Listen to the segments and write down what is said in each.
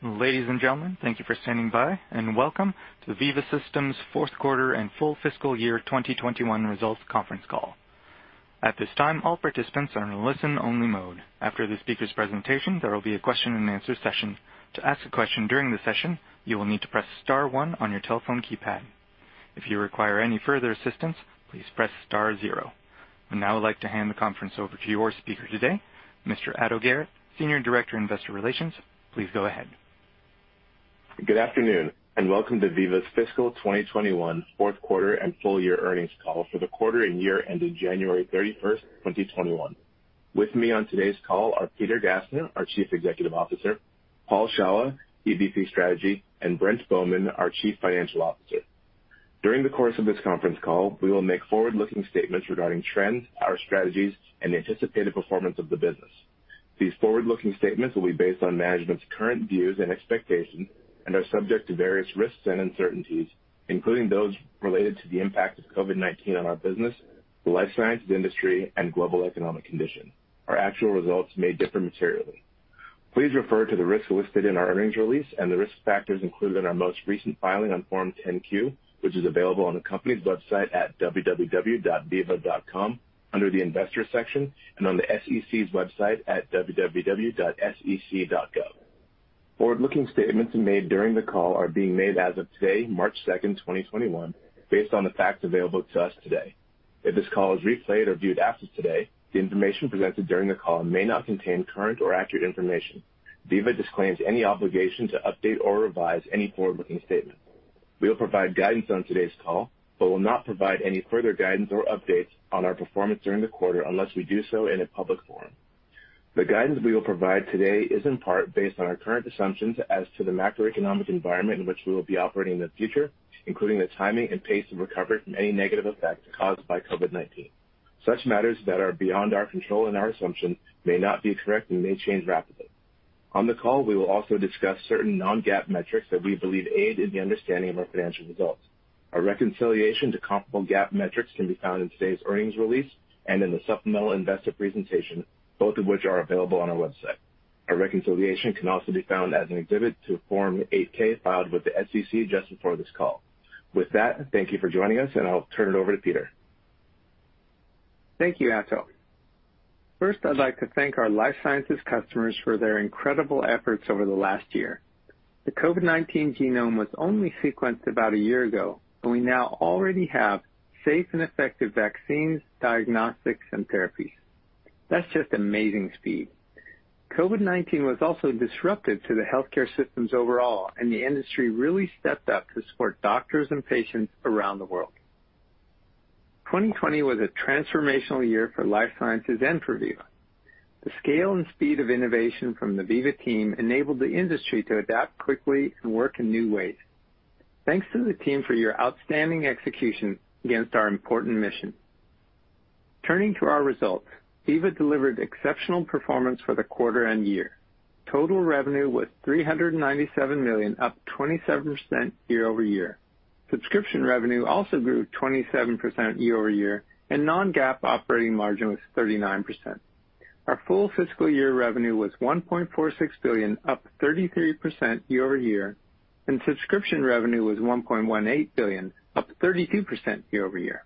Ladies and gentlemen, thank you for standing by. Welcome to Veeva Systems fourth quarter and full fiscal year 2021 results conference call. At this time, all participants are in listen-only mode. After the speakers' presentation, there will be a question and answer session. To ask a question during the session, you will need to press star one on your telephone keypad. If you require any further assistance, please press star zero. I would now like to hand the conference over to your speaker today, Mr. Ato Garrett, Senior Director, Investor Relations. Please go ahead. Good afternoon, welcome to Veeva's fiscal 2021 fourth quarter and full year earnings call for the quarter and year ending January 31st, 2021. With me on today's call are Peter Gassner, our Chief Executive Officer, Paul Shawah, EVP, Strategy, and Brent Bowman, our Chief Financial Officer. During the course of this conference call, we will make forward-looking statements regarding trends, our strategies, and the anticipated performance of the business. These forward-looking statements will be based on management's current views and expectations and are subject to various risks and uncertainties, including those related to the impact of COVID-19 on our business, the life sciences industry, and global economic condition. Our actual results may differ materially. Please refer to the risks listed in our earnings release and the risk factors included in our most recent filing on Form 10-Q, which is available on the company's website at www.veeva.com under the investor section and on the SEC's website at www.sec.gov. Forward-looking statements made during the call are being made as of today, March 2nd, 2021, based on the facts available to us today. If this call is replayed or viewed after today, the information presented during the call may not contain current or accurate information. Veeva disclaims any obligation to update or revise any forward-looking statement. We will provide guidance on today's call, but will not provide any further guidance or updates on our performance during the quarter unless we do so in a public forum. The guidance we will provide today is in part based on our current assumptions as to the macroeconomic environment in which we will be operating in the future, including the timing and pace of recovery from any negative effects caused by COVID-19. Such matters that are beyond our control and our assumptions may not be correct and may change rapidly. On the call, we will also discuss certain non-GAAP metrics that we believe aid in the understanding of our financial results. Our reconciliation to comparable GAAP metrics can be found in today's earnings release and in the supplemental investor presentation, both of which are available on our website. A reconciliation can also be found as an exhibit to Form 8-K filed with the SEC just before this call. Thank you for joining us, and I'll turn it over to Peter. Thank you, Ato. First, I'd like to thank our life sciences customers for their incredible efforts over the last year. The COVID-19 genome was only sequenced about a year ago, and we now already have safe and effective vaccines, diagnostics, and therapies. That's just amazing speed. COVID-19 was also disruptive to the healthcare systems overall, and the industry really stepped up to support doctors and patients around the world. 2020 was a transformational year for life sciences and for Veeva. The scale and speed of innovation from the Veeva team enabled the industry to adapt quickly and work in new ways. Thanks to the team for your outstanding execution against our important mission. Turning to our results, Veeva delivered exceptional performance for the quarter and year. Total revenue was $397 million, up 27% year-over-year. Subscription revenue also grew 27% year-over-year, and non-GAAP operating margin was 39%. Our full fiscal year revenue was $1.46 billion, up 33% year-over-year. Subscription revenue was $1.18 billion, up 32% year-over-year.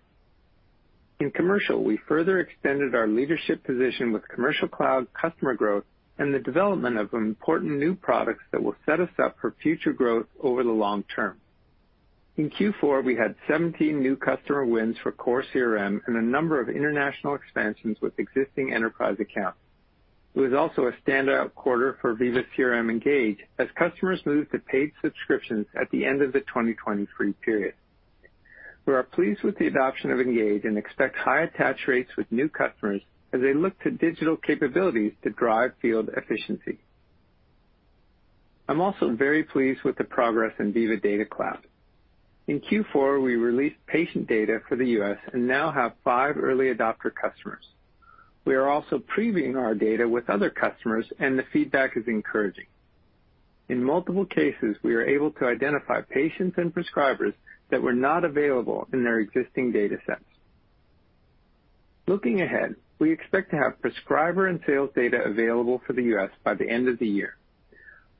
In commercial, we further extended our leadership position with Commercial Cloud customer growth and the development of important new products that will set us up for future growth over the long term. In Q4, we had 17 new customer wins for Core CRM and a number of international expansions with existing enterprise accounts. It was also a standout quarter for Veeva CRM Engage as customers moved to paid subscriptions at the end of the 2023 period. We are pleased with the adoption of Engage and expect high attach rates with new customers as they look to digital capabilities to drive field efficiency. I'm also very pleased with the progress in Veeva Data Cloud. In Q4, we released patient data for the U.S. and now have five early adopter customers. We are also previewing our data with other customers, and the feedback is encouraging. In multiple cases, we are able to identify patients and prescribers that were not available in their existing data sets. Looking ahead, we expect to have prescriber and sales data available for the U.S. by the end of the year.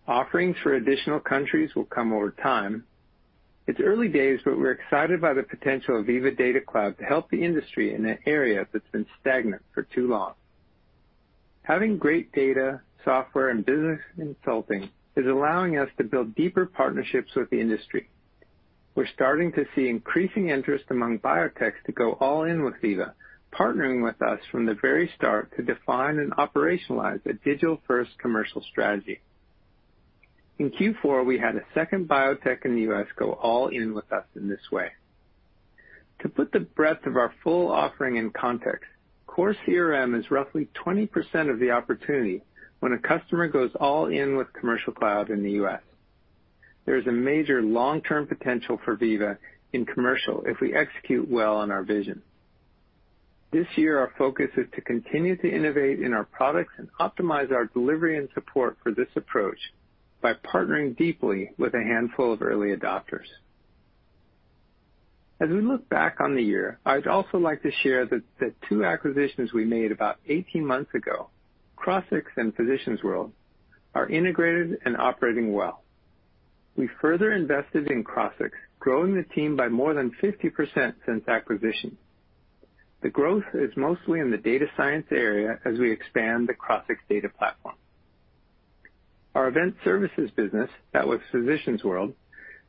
Offerings for additional countries will come over time. It's early days, but we're excited by the potential of Veeva Data Cloud to help the industry in an area that's been stagnant for too long. Having great data, software, and business consulting is allowing us to build deeper partnerships with the industry. We're starting to see increasing interest among biotechs to go all in with Veeva, partnering with us from the very start to define and operationalize a digital-first commercial strategy. In Q4, we had a second biotech in the U.S. go all in with us in this way. To put the breadth of our full offering in context, Core CRM is roughly 20% of the opportunity when a customer goes all in with Commercial Cloud in the U.S. There is a major long-term potential for Veeva in commercial if we execute well on our vision. This year, our focus is to continue to innovate in our products and optimize our delivery and support for this approach by partnering deeply with a handful of early adopters. As we look back on the year, I'd also like to share that the two acquisitions we made about 18 months ago, Crossix and Physicians World, are integrated and operating well. We further invested in Crossix, growing the team by more than 50% since acquisition. The growth is mostly in the data science area as we expand the Crossix data platform. Our event services business, that was Physicians World,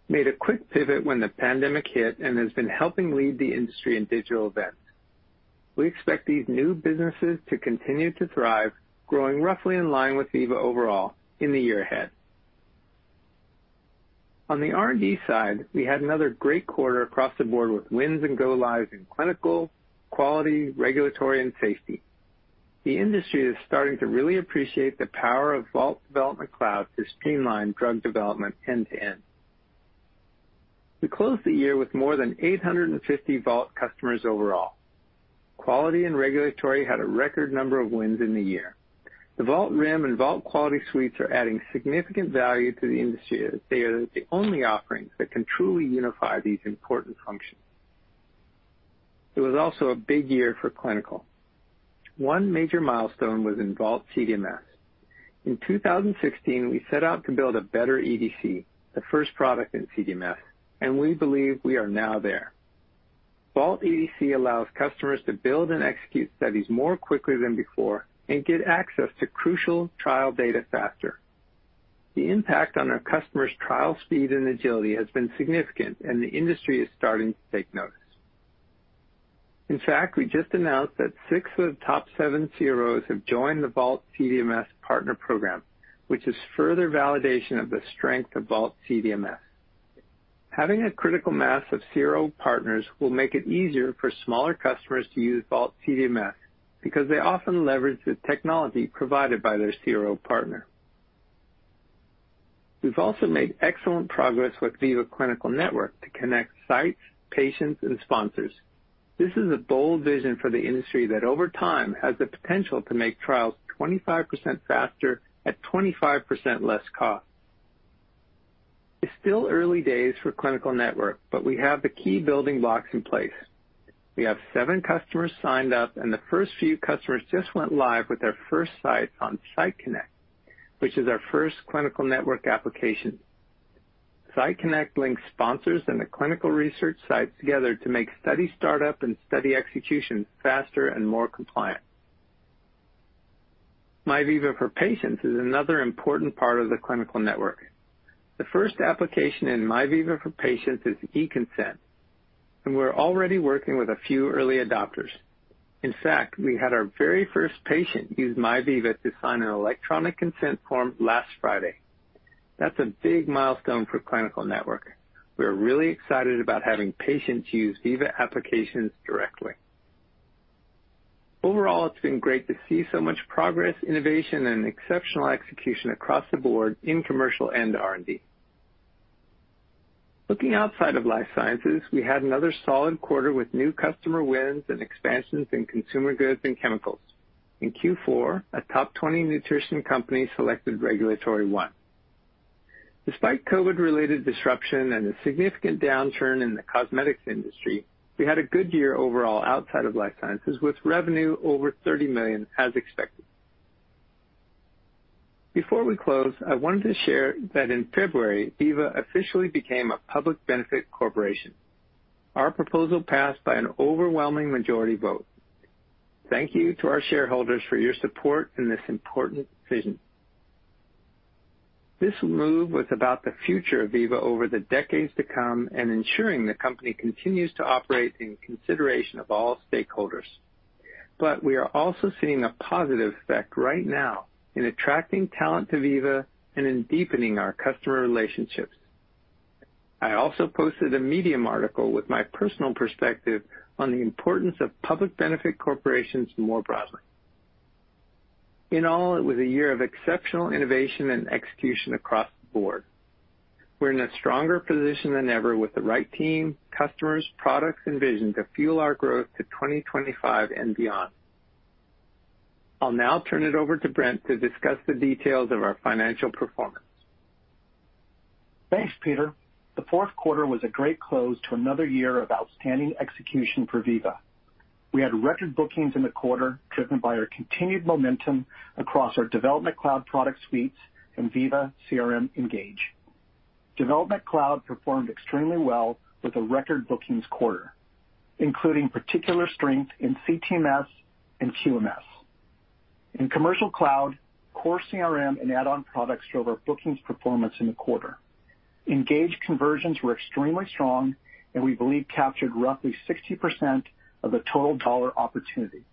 made a quick pivot when the pandemic hit and has been helping lead the industry in digital events. We expect these new businesses to continue to thrive, growing roughly in line with Veeva overall in the year ahead. On the R&D side, we had another great quarter across the board with wins and go-lives in clinical, quality, regulatory and safety. The industry is starting to really appreciate the power of Vault Development Cloud to streamline drug development end-to-end. We closed the year with more than 850 Vault customers overall. Quality and regulatory had a record number of wins in the year. The Vault RIM and Vault Quality Suites are adding significant value to the industry, as they are the only offerings that can truly unify these important functions. It was also a big year for clinical. One major milestone was in Vault CDMS. In 2016, we set out to build a better EDC, the first product in CDMS, and we believe we are now there. Vault EDC allows customers to build and execute studies more quickly than before and get access to crucial trial data faster. The impact on our customers' trial speed and agility has been significant, and the industry is starting to take notice. In fact, we just announced that six of the top seven CROs have joined the Vault CDMS partner program, which is further validation of the strength of Vault CDMS. Having a critical mass of CRO partners will make it easier for smaller customers to use Vault CDMS, because they often leverage the technology provided by their CRO partner. We've also made excellent progress with Veeva Clinical Network to connect sites, patients, and sponsors. This is a bold vision for the industry that over time has the potential to make trials 25% faster at 25% less cost. It's still early days for Clinical Network, we have the key building blocks in place. We have seven customers signed up, the first few customers just went live with their first sites on SiteConnect, which is our first Clinical Network application. SiteConnect links sponsors and the clinical research sites together to make study startup and study execution faster and more compliant. MyVeeva for Patients is another important part of the Clinical Network. The first application in MyVeeva for Patients is eConsent, we're already working with a few early adopters. In fact, we had our very first patient use MyVeeva to sign an electronic consent form last Friday. That's a big milestone for Clinical Network. We are really excited about having patients use Veeva applications directly. Overall, it's been great to see so much progress, innovation, and exceptional execution across the board in commercial and R&D. Looking outside of life sciences, we had another solid quarter with new customer wins and expansions in consumer goods and chemicals. In Q4, a top 20 nutrition company selected RegulatoryOne. Despite COVID-related disruption and a significant downturn in the cosmetics industry, we had a good year overall outside of life sciences, with revenue over $30 million as expected. Before we close, I wanted to share that in February, Veeva officially became a public benefit corporation. Our proposal passed by an overwhelming majority vote. Thank you to our shareholders for your support in this important decision. This move was about the future of Veeva over the decades to come and ensuring the company continues to operate in consideration of all stakeholders. We are also seeing a positive effect right now in attracting talent to Veeva and in deepening our customer relationships. I also posted a Medium article with my personal perspective on the importance of public benefit corporations more broadly. In all, it was a year of exceptional innovation and execution across the board. We're in a stronger position than ever with the right team, customers, products, and vision to fuel our growth to 2025 and beyond. I'll now turn it over to Brent to discuss the details of our financial performance. Thanks, Peter. The fourth quarter was a great close to another year of outstanding execution for Veeva. We had record bookings in the quarter, driven by our continued momentum across our Development Cloud product suites and Veeva CRM Engage. Development Cloud performed extremely well with a record bookings quarter, including particular strength in CTMS and QMS. In Commercial Cloud, Core CRM and add-on products drove our bookings performance in the quarter. Engage conversions were extremely strong and we believe captured roughly 60% of the total dollar opportunity.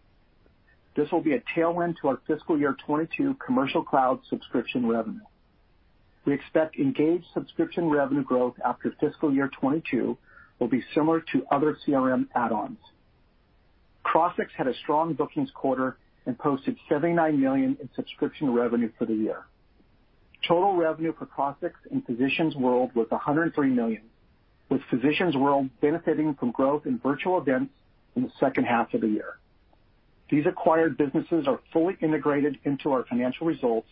This will be a tailwind to our fiscal year 2022 Commercial Cloud subscription revenue. We expect Engage subscription revenue growth after fiscal year 2022 will be similar to other CRM add-ons. Crossix had a strong bookings quarter and posted $79 million in subscription revenue for the year. Total revenue for Crossix and Physicians World was $103 million, with Physicians World benefiting from growth in virtual events in the second half of the year. These acquired businesses are fully integrated into our financial results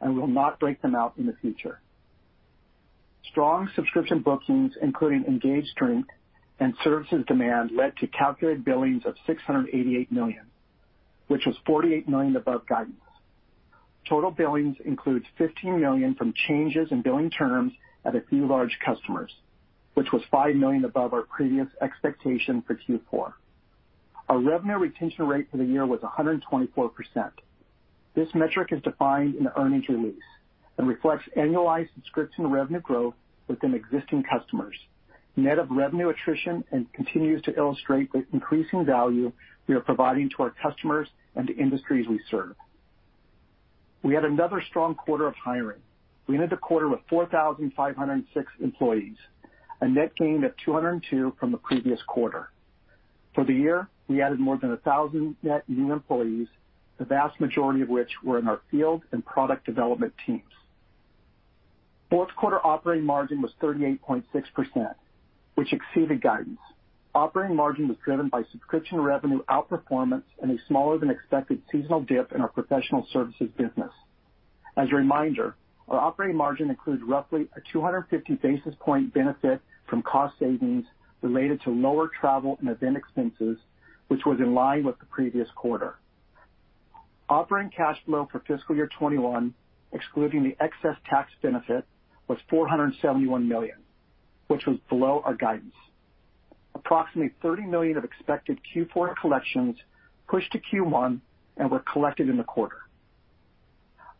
and we will not break them out in the future. Strong subscription bookings, including Engage and services demand led to calculated billings of $688 million, which was $48 million above guidance. Total billings includes $15 million from changes in billing terms at a few large customers, which was $5 million above our previous expectation for Q4. Our revenue retention rate for the year was 124%. This metric is defined in earnings release and reflects annualized subscription revenue growth within existing customers, net of revenue attrition, and continues to illustrate the increasing value we are providing to our customers and the industries we serve. We had another strong quarter of hiring. We ended the quarter with 4,506 employees, a net gain of 202 from the previous quarter. For the year, we added more than 1,000 net new employees, the vast majority of which were in our field and product development teams. Fourth quarter operating margin was 38.6%, which exceeded guidance. Operating margin was driven by subscription revenue outperformance and a smaller than expected seasonal dip in our professional services business. As a reminder, our operating margin includes roughly a 250 basis point benefit from cost savings related to lower travel and event expenses, which was in line with the previous quarter. Operating cash flow for FY 2021, excluding the excess tax benefit, was $471 million, which was below our guidance. Approximately $30 million of expected Q4 collections pushed to Q1 and were collected in the quarter.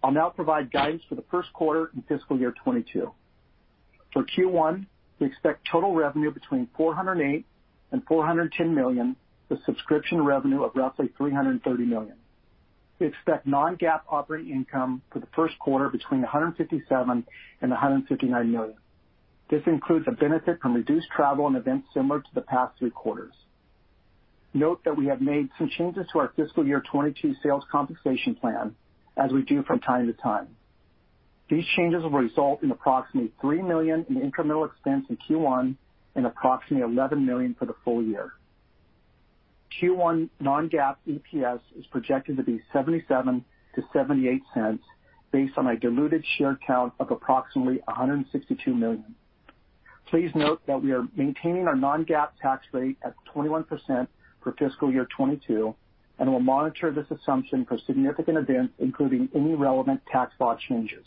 I'll now provide guidance for the first quarter in FY 2022. For Q1, we expect total revenue between $408 million and $410 million, with subscription revenue of roughly $330 million. We expect non-GAAP operating income for the first quarter between $157 million and $159 million. This includes a benefit from reduced travel and events similar to the past three quarters. Note that we have made some changes to our fiscal year 2022 sales compensation plan, as we do from time to time. These changes will result in approximately $3 million in incremental expense in Q1 and approximately $11 million for the full year. Q1 non-GAAP EPS is projected to be $0.77-$0.78, based on a diluted share count of approximately 162 million. Please note that we are maintaining our non-GAAP tax rate at 21% for fiscal year 2022 and will monitor this assumption for significant events, including any relevant tax law changes.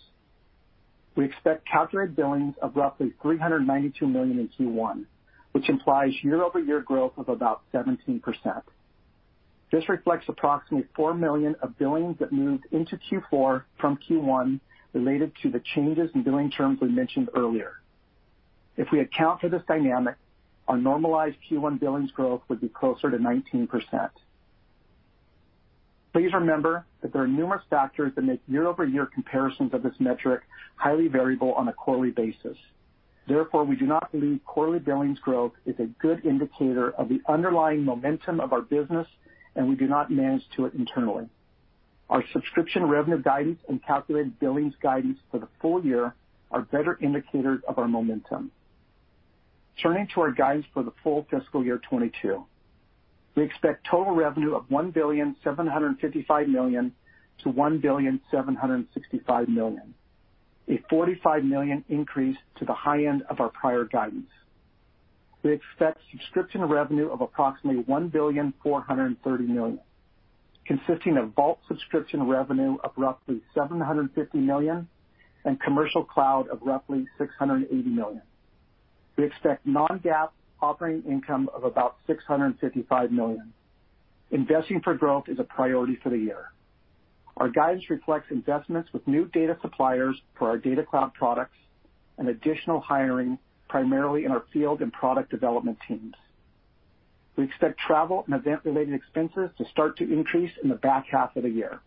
We expect calculated billings of roughly $392 million in Q1, which implies year-over-year growth of about 17%. This reflects approximately $4 million of billings that moved into Q4 from Q1 related to the changes in billing terms we mentioned earlier. If we account for this dynamic, our normalized Q1 billings growth would be closer to 19%. Please remember that there are numerous factors that make year-over-year comparisons of this metric highly variable on a quarterly basis. Therefore, we do not believe quarterly billings growth is a good indicator of the underlying momentum of our business, and we do not manage to it internally. Our subscription revenue guidance and calculated billings guidance for the full year are better indicators of our momentum. Turning to our guidance for the full fiscal year 2022. We expect total revenue of $1.755 billion-$1.765 billion, a $45 million increase to the high end of our prior guidance. We expect subscription revenue of approximately $1.43 billion, consisting of Vault subscription revenue of roughly $750 million and Commercial Cloud of roughly $680 million. We expect non-GAAP operating income of about $655 million. Investing for growth is a priority for the year. Our guidance reflects investments with new data suppliers for our Data Cloud products and additional hiring, primarily in our field and product development teams. We expect travel and event-related expenses to start to increase in the back half of the year.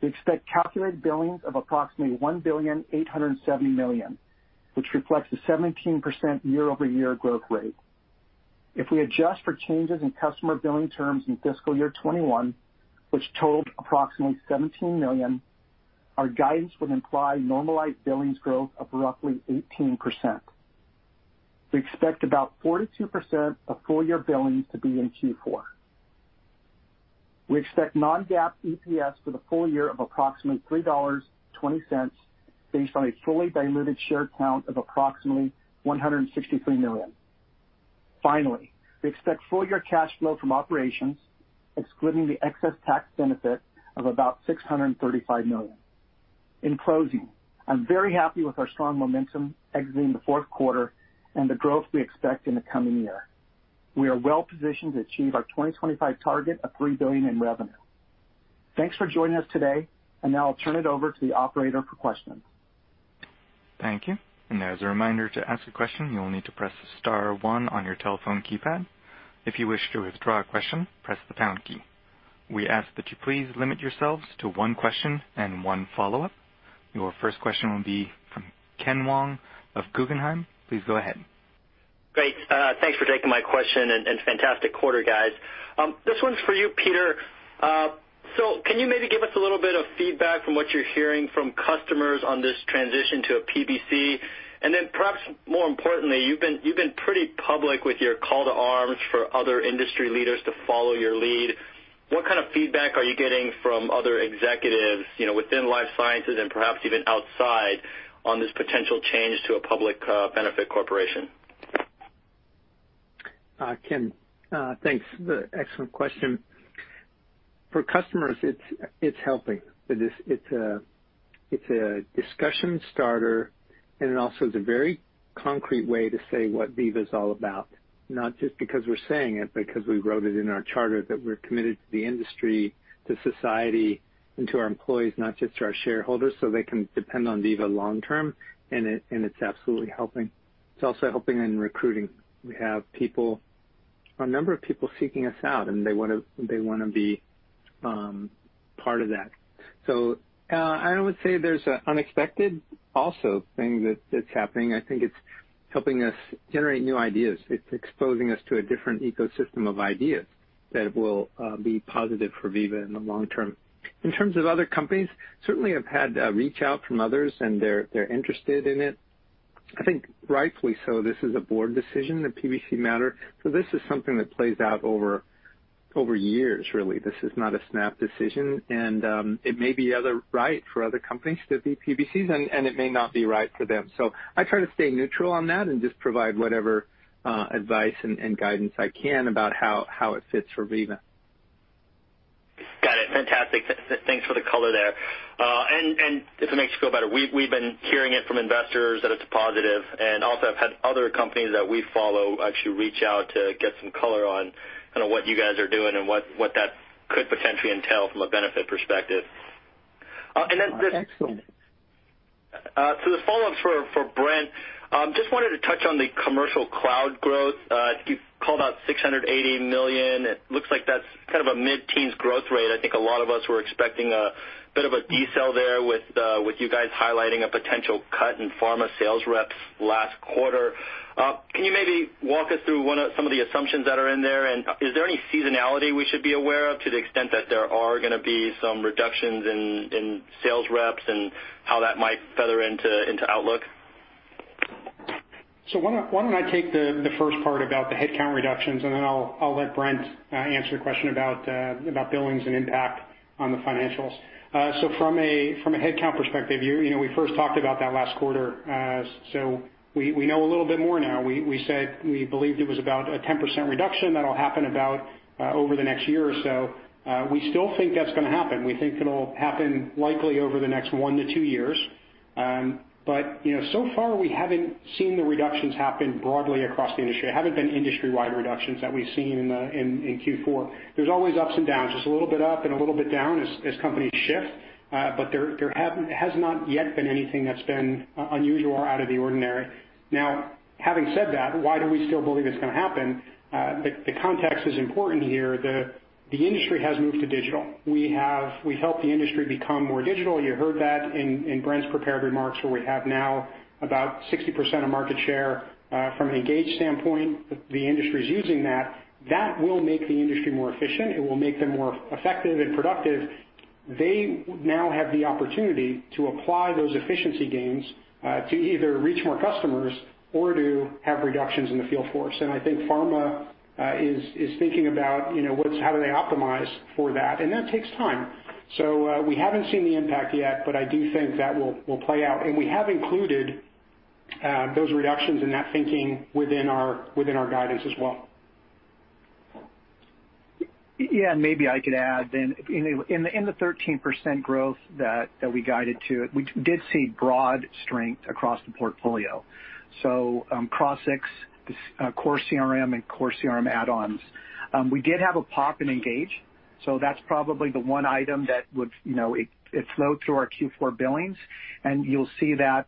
We expect calculated billings of approximately $1.87 billion, which reflects a 17% year-over-year growth rate. If we adjust for changes in customer billing terms in fiscal year 2021, which totaled approximately $17 million, our guidance would imply normalized billings growth of roughly 18%. We expect about 42% of full-year billings to be in Q4. We expect non-GAAP EPS for the full year of approximately $3.20, based on a fully diluted share count of approximately 163 million. Finally, we expect full-year cash flow from operations, excluding the excess tax benefit, of about $635 million. In closing, I'm very happy with our strong momentum exiting the fourth quarter and the growth we expect in the coming year. We are well positioned to achieve our 2025 target of $3 billion in revenue. Thanks for joining us today. Now I'll turn it over to the operator for questions. Thank you. As a reminder, to ask a question, you will need to press star one on your telephone keypad. If you wish to withdraw a question, press the pound key. We ask that you please limit yourselves to one question and one follow-up. Your first question will be from Ken Wong of Guggenheim. Please go ahead. Great. Thanks for taking my question, and fantastic quarter, guys. This one's for you, Peter Can you maybe give us a little bit of feedback from what you're hearing from customers on this transition to a PBC? Perhaps more importantly, you've been pretty public with your call to arms for other industry leaders to follow your lead. What kind of feedback are you getting from other executives within life sciences and perhaps even outside on this potential change to a public benefit corporation? Ken, thanks. Excellent question. For customers, it's helping. It's a discussion starter, and it also is a very concrete way to say what Veeva is all about, not just because we're saying it, but because we wrote it in our charter that we're committed to the industry, to society, and to our employees, not just to our shareholders, so they can depend on Veeva long term, and it's absolutely helping. It's also helping in recruiting. We have a number of people seeking us out, and they want to be part of that. I would say there's an unexpected also thing that's happening. I think it's helping us generate new ideas. It's exposing us to a different ecosystem of ideas that will be positive for Veeva in the long term. In terms of other companies, certainly have had reach out from others, and they're interested in it. I think rightfully so, this is a board decision, a PBC matter. This is something that plays out over years, really. This is not a snap decision. It may be right for other companies to be PBCs, and it may not be right for them. I try to stay neutral on that and just provide whatever advice and guidance I can about how it fits for Veeva. Got it. Fantastic. Thanks for the color there. If it makes you feel better, we've been hearing it from investors that it's positive, and also have had other companies that we follow actually reach out to get some color on what you guys are doing and what that could potentially entail from a benefit perspective. Excellent. The follow-up's for Brent. Just wanted to touch on the Commercial Cloud growth. I think you called out $680 million. It looks like that's kind of a mid-teens growth rate. I think a lot of us were expecting a bit of a decel there with you guys highlighting a potential cut in pharma sales reps last quarter. Can you maybe walk us through some of the assumptions that are in there? Is there any seasonality we should be aware of to the extent that there are going to be some reductions in sales reps and how that might feather into outlook? Why don't I take the first part about the headcount reductions, and then I'll let Brent answer your question about billings and impact on the financials. From a headcount perspective, we first talked about that last quarter, so we know a little bit more now. We said we believed it was about a 10% reduction that'll happen about over the next year or so. We still think that's going to happen. We think it'll happen likely over the next one to two years. So far we haven't seen the reductions happen broadly across the industry. There haven't been industry-wide reductions that we've seen in Q4. There's always ups and downs, just a little bit up and a little bit down as companies shift. There has not yet been anything that's been unusual or out of the ordinary. Now, having said that, why do we still believe it's going to happen? The context is important here. The industry has moved to digital. We helped the industry become more digital. You heard that in Brent's prepared remarks, where we have now about 60% of market share from an Engage standpoint. The industry's using that. That will make the industry more efficient. It will make them more effective and productive. They now have the opportunity to apply those efficiency gains to either reach more customers or to have reductions in the field force. I think pharma is thinking about how do they optimize for that, and that takes time. We haven't seen the impact yet, but I do think that will play out. We have included those reductions in that thinking within our guidance as well. Maybe I could add. In the 13% growth that we guided to, we did see broad strength across the portfolio. Crossix, Core CRM, and Core CRM add-ons. We did have a pop in Engage. That's probably the one item that would flow through our Q4 billings, and you'll see that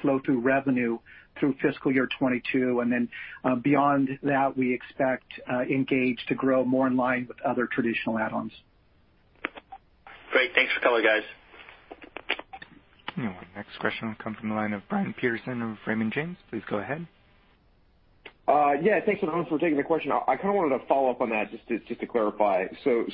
flow through revenue through fiscal year 2022. Beyond that, we expect Engage to grow more in line with other traditional add-ons. Great. Thanks for the color, guys. Next question will come from the line of Brian Peterson of Raymond James. Please go ahead. Yeah, thanks for taking the question. I kind of wanted to follow up on that just to clarify.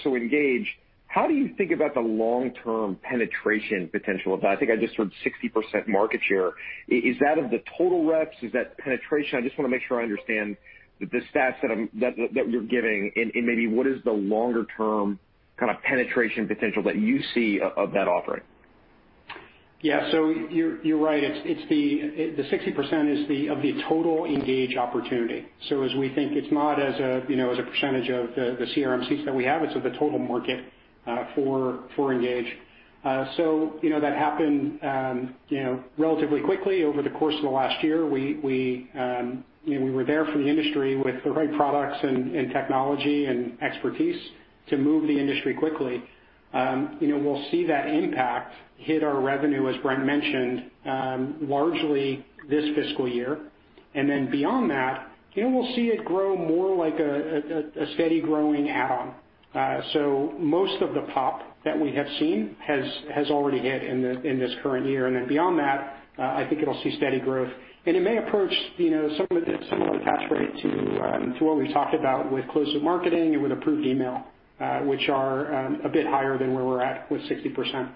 Engage, how do you think about the long-term penetration potential of that? I think I just heard 60% market share. Is that of the total reps? Is that penetration? I just want to make sure I understand the stats that you're giving and maybe what is the longer-term kind of penetration potential that you see of that offering? Yeah. You're right. The 60% is of the total Engage opportunity. As we think it's not as a percentage of the CRM seats that we have, it's of the total market for Engage. That happened relatively quickly over the course of the last year. We were there for the industry with the right products and technology and expertise to move the industry quickly. We'll see that impact hit our revenue, as Brent mentioned, largely this fiscal year. Beyond that, we'll see it grow more like a steady growing add-on. Most of the pop that we have seen has already hit in this current year, beyond that, I think it'll see steady growth. It may approach some of the similar attach rate to what we've talked about with Closed Loop Marketing and with Approved Email, which are a bit higher than where we're at with 60%.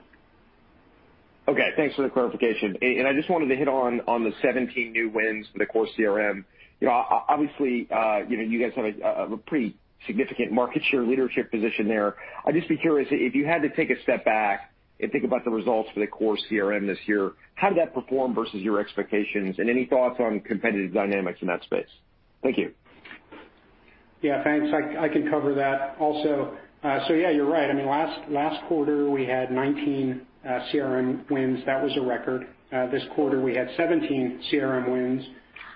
Okay. Thanks for the clarification. I just wanted to hit on the 17 new wins for the Core CRM. Obviously, you guys have a pretty significant market share leadership position there. I'd just be curious if you had to take a step back and think about the results for the Core CRM this year, how did that perform versus your expectations? Any thoughts on competitive dynamics in that space? Thank you. Yeah, thanks. I can cover that also. Yeah, you're right. Last quarter, we had 19 CRM wins. That was a record. This quarter, we had 17 CRM wins.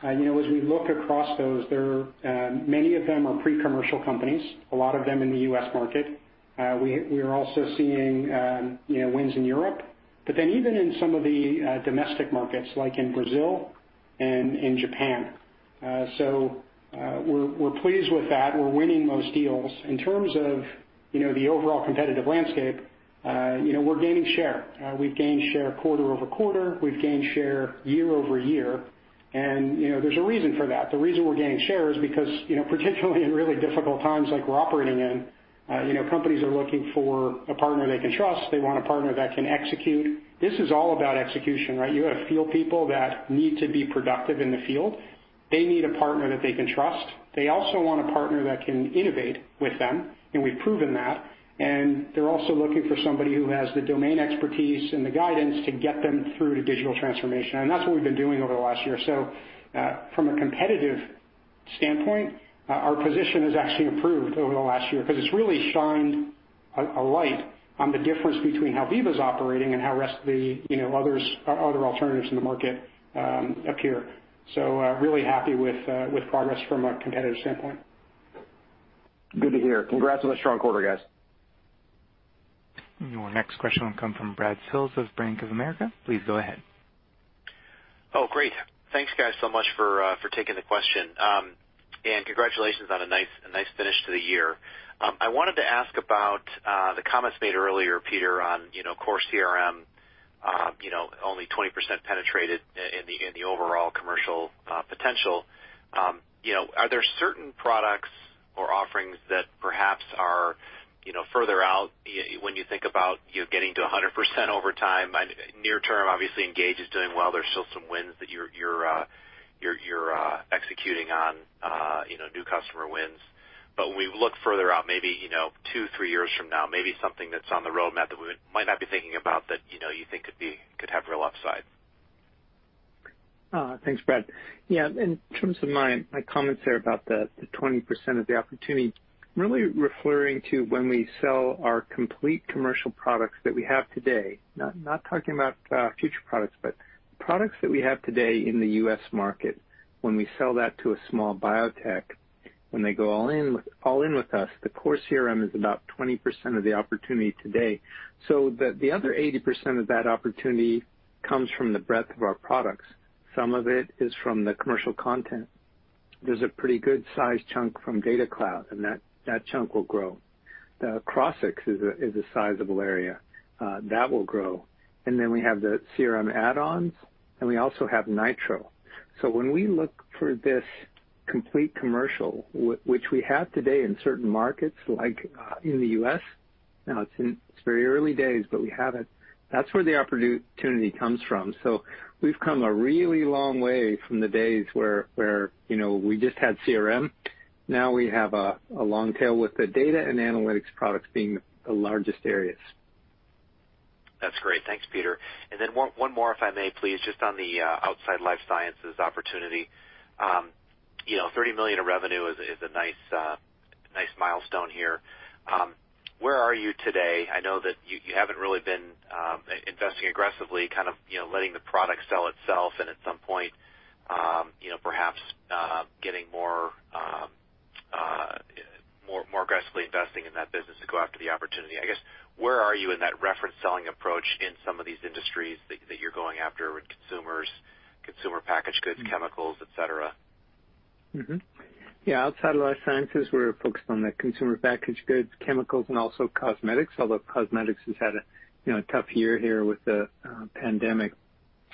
As we look across those, many of them are pre-commercial companies, a lot of them in the U.S. market. We are also seeing wins in Europe, even in some of the domestic markets, like in Brazil and in Japan. We're pleased with that. We're winning those deals. In terms of the overall competitive landscape, we're gaining share. We've gained share quarter-over-quarter. We've gained share year-over-year, there's a reason for that. The reason we're gaining share is because, particularly in really difficult times like we're operating in, companies are looking for a partner they can trust. They want a partner that can execute. This is all about execution, right? You got a field people that need to be productive in the field. They need a partner that they can trust. They also want a partner that can innovate with them, and we've proven that. They're also looking for somebody who has the domain expertise and the guidance to get them through to digital transformation, and that's what we've been doing over the last year. From a competitive standpoint, our position has actually improved over the last year because it's really shined a light on the difference between how Veeva's operating and how other alternatives in the market appear. Really happy with progress from a competitive standpoint. Good to hear. Congrats on the strong quarter, guys. Your next question will come from Brad Sills of Bank of America. Please go ahead. Oh, great. Thanks, guys, so much for taking the question. Congratulations on a nice finish to the year. I wanted to ask about the comments made earlier, Peter, on Core CRM, only 20% penetrated in the overall commercial potential. Are there certain products or offerings that perhaps are further out when you think about you getting to 100% over time? Near term, obviously, Engage is doing well. There's still some wins that you're executing on, new customer wins. When we look further out, maybe two, three years from now, maybe something that's on the roadmap that we might not be thinking about that you think could have real upside. Thanks, Brad. Yeah. In terms of my comments there about the 20% of the opportunity, really referring to when we sell our complete commercial products that we have today. Not talking about future products, but products that we have today in the U.S. market. When we sell that to a small biotech, when they go all in with us, the Core CRM is about 20% of the opportunity today. The other 80% of that opportunity comes from the breadth of our products. Some of it is from the commercial content. There's a pretty good size chunk from Data Cloud, and that chunk will grow. Crossix is a sizable area. That will grow. We have the CRM add-ons, and we also have Nitro. When we look for this complete commercial, which we have today in certain markets, like in the U.S., now it's very early days, but we have it. That's where the opportunity comes from. We've come a really long way from the days where we just had CRM. Now we have a long tail with the data and analytics products being the largest areas. That's great. Thanks, Peter. One more if I may, please, just on the outside life sciences opportunity. $30 million of revenue is a nice milestone here. Where are you today? I know that you haven't really been investing aggressively, kind of letting the product sell itself and at some point, perhaps getting more aggressively investing in that business to go after the opportunity. I guess, where are you in that reference selling approach in some of these industries that you're going after with consumers, consumer packaged goods, chemicals, et cetera? Mm-hmm. Yeah, outside of life sciences, we're focused on the consumer packaged goods, chemicals, and also cosmetics, although cosmetics has had a tough year here with the pandemic.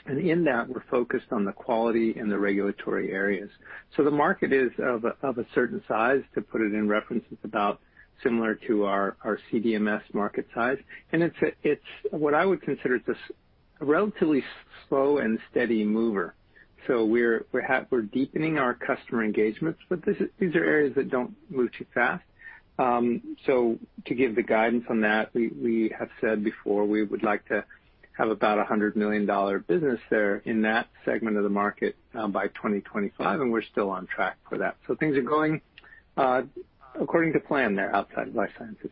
In that, we're focused on the quality and the regulatory areas. The market is of a certain size. To put it in reference, it's about similar to our CDMS market size, and it's what I would consider a relatively slow and steady mover. We're deepening our customer engagements, but these are areas that don't move too fast. To give the guidance on that, we have said before, we would like to have about a $100 million business there in that segment of the market by 2025, and we're still on track for that. Things are going according to plan there outside life sciences.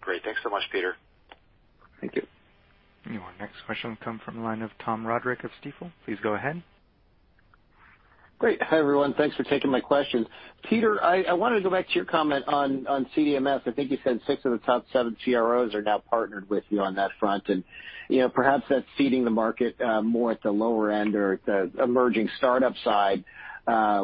Great. Thanks so much, Peter. Thank you. Your next question will come from the line of Tom Roderick of Stifel. Please go ahead. Great. Hi, everyone. Thanks for taking my questions. Peter, I wanted to go back to your comment on CDMS. I think you said six of the top seven CROs are now partnered with you on that front, and perhaps that's seeding the market more at the lower end or at the emerging startup side,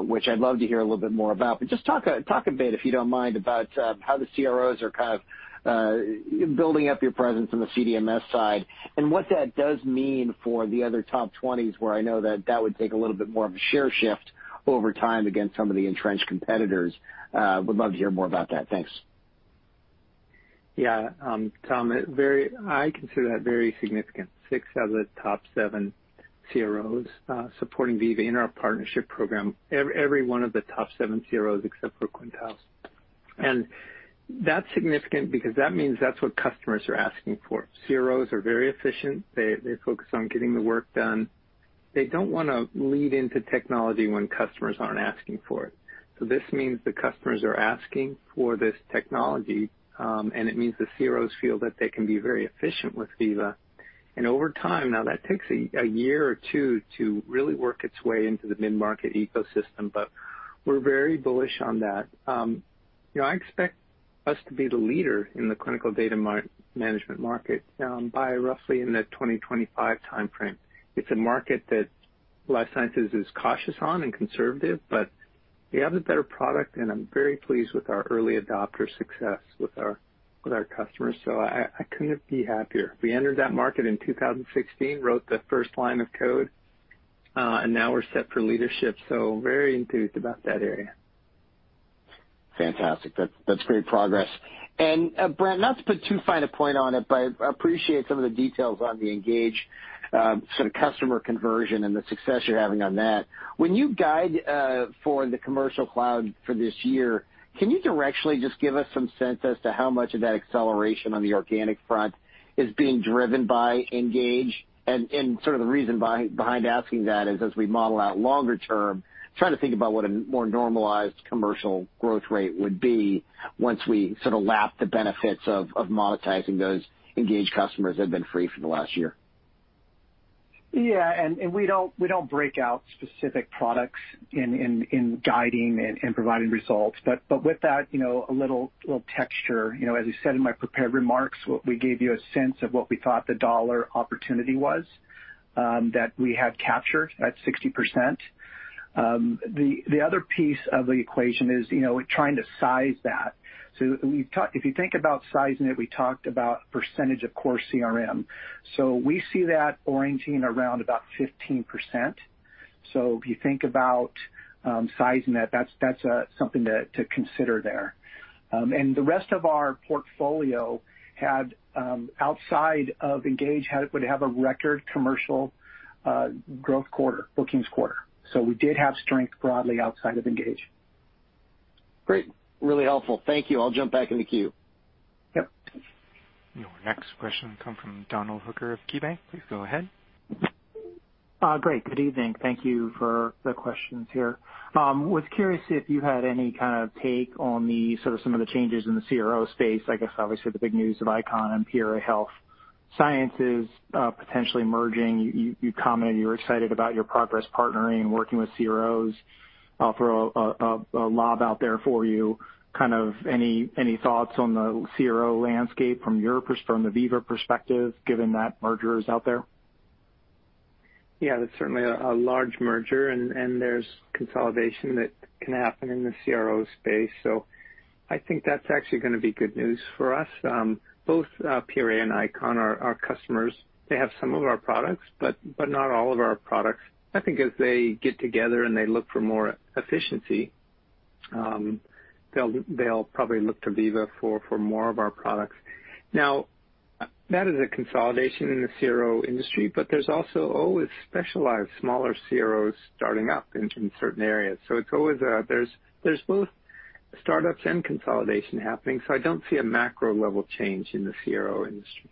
which I'd love to hear a little bit more about. Just talk a bit, if you don't mind, about how the CROs are kind of building up your presence on the CDMS side and what that does mean for the other top 20s, where I know that that would take a little bit more of a share shift over time against some of the entrenched competitors. Would love to hear more about that. Thanks. Yeah. Tom, I consider that very significant. Six out of the top seven CROs supporting Veeva in our partnership program. Every one of the top seven CROs except for Quintiles. That's significant because that means that's what customers are asking for. CROs are very efficient. They focus on getting the work done. They don't want to lead into technology when customers aren't asking for it. This means the customers are asking for this technology, and it means the CROs feel that they can be very efficient with Veeva. Over time, now that takes a year or two to really work its way into the mid-market ecosystem, but we're very bullish on that. I expect us to be the leader in the clinical data management market by roughly in the 2025 timeframe. It's a market that life sciences is cautious on and conservative, but we have the better product, and I'm very pleased with our early adopter success with our customers. I couldn't be happier. We entered that market in 2016, wrote the first line of code, and now we're set for leadership. Very enthused about that area. Fantastic. That's great progress. Brent, not to put too fine a point on it, but I appreciate some of the details on the Engage sort of customer conversion and the success you're having on that. When you guide for the Commercial Cloud for this year, can you directionally just give us some sense as to how much of that acceleration on the organic front is being driven by Engage? The reason behind asking that is as we model out longer term, trying to think about what a more normalized commercial growth rate would be once we sort of lap the benefits of monetizing those Engage customers that have been free for the last year. Yeah, we don't break out specific products in guiding and providing results. With that, a little texture. As I said in my prepared remarks, we gave you a sense of what we thought the dollar opportunity was that we had captured at 60%. The other piece of the equation is trying to size that. If you think about sizing it, we talked about % of Core CRM. We see that orienting around about 15%. If you think about sizing that's something to consider there. The rest of our portfolio outside of Engage, would have a record commercial growth bookings quarter. We did have strength broadly outside of Engage. Great. Really helpful. Thank you. I'll jump back in the queue. Yep. Your next question come from Donald Hooker of KeyBank. Please go ahead. Great. Good evening. Thank you for the questions here. Was curious if you had any kind of take on the sort of some of the changes in the CRO space. I guess obviously the big news of Icon and PRA Health Sciences potentially merging. You commented you were excited about your progress partnering and working with CROs. I'll throw a lob out there for you. Kind of any thoughts on the CRO landscape from the Veeva perspective, given that merger is out there? Yeah, that's certainly a large merger, and there's consolidation that can happen in the CRO space. I think that's actually going to be good news for us. Both PRA and Icon are our customers. They have some of our products, but not all of our products. I think as they get together and they look for more efficiency, they'll probably look to Veeva for more of our products. That is a consolidation in the CRO industry, but there's also always specialized smaller CROs starting up in certain areas. There's both startups and consolidation happening, so I don't see a macro-level change in the CRO industry.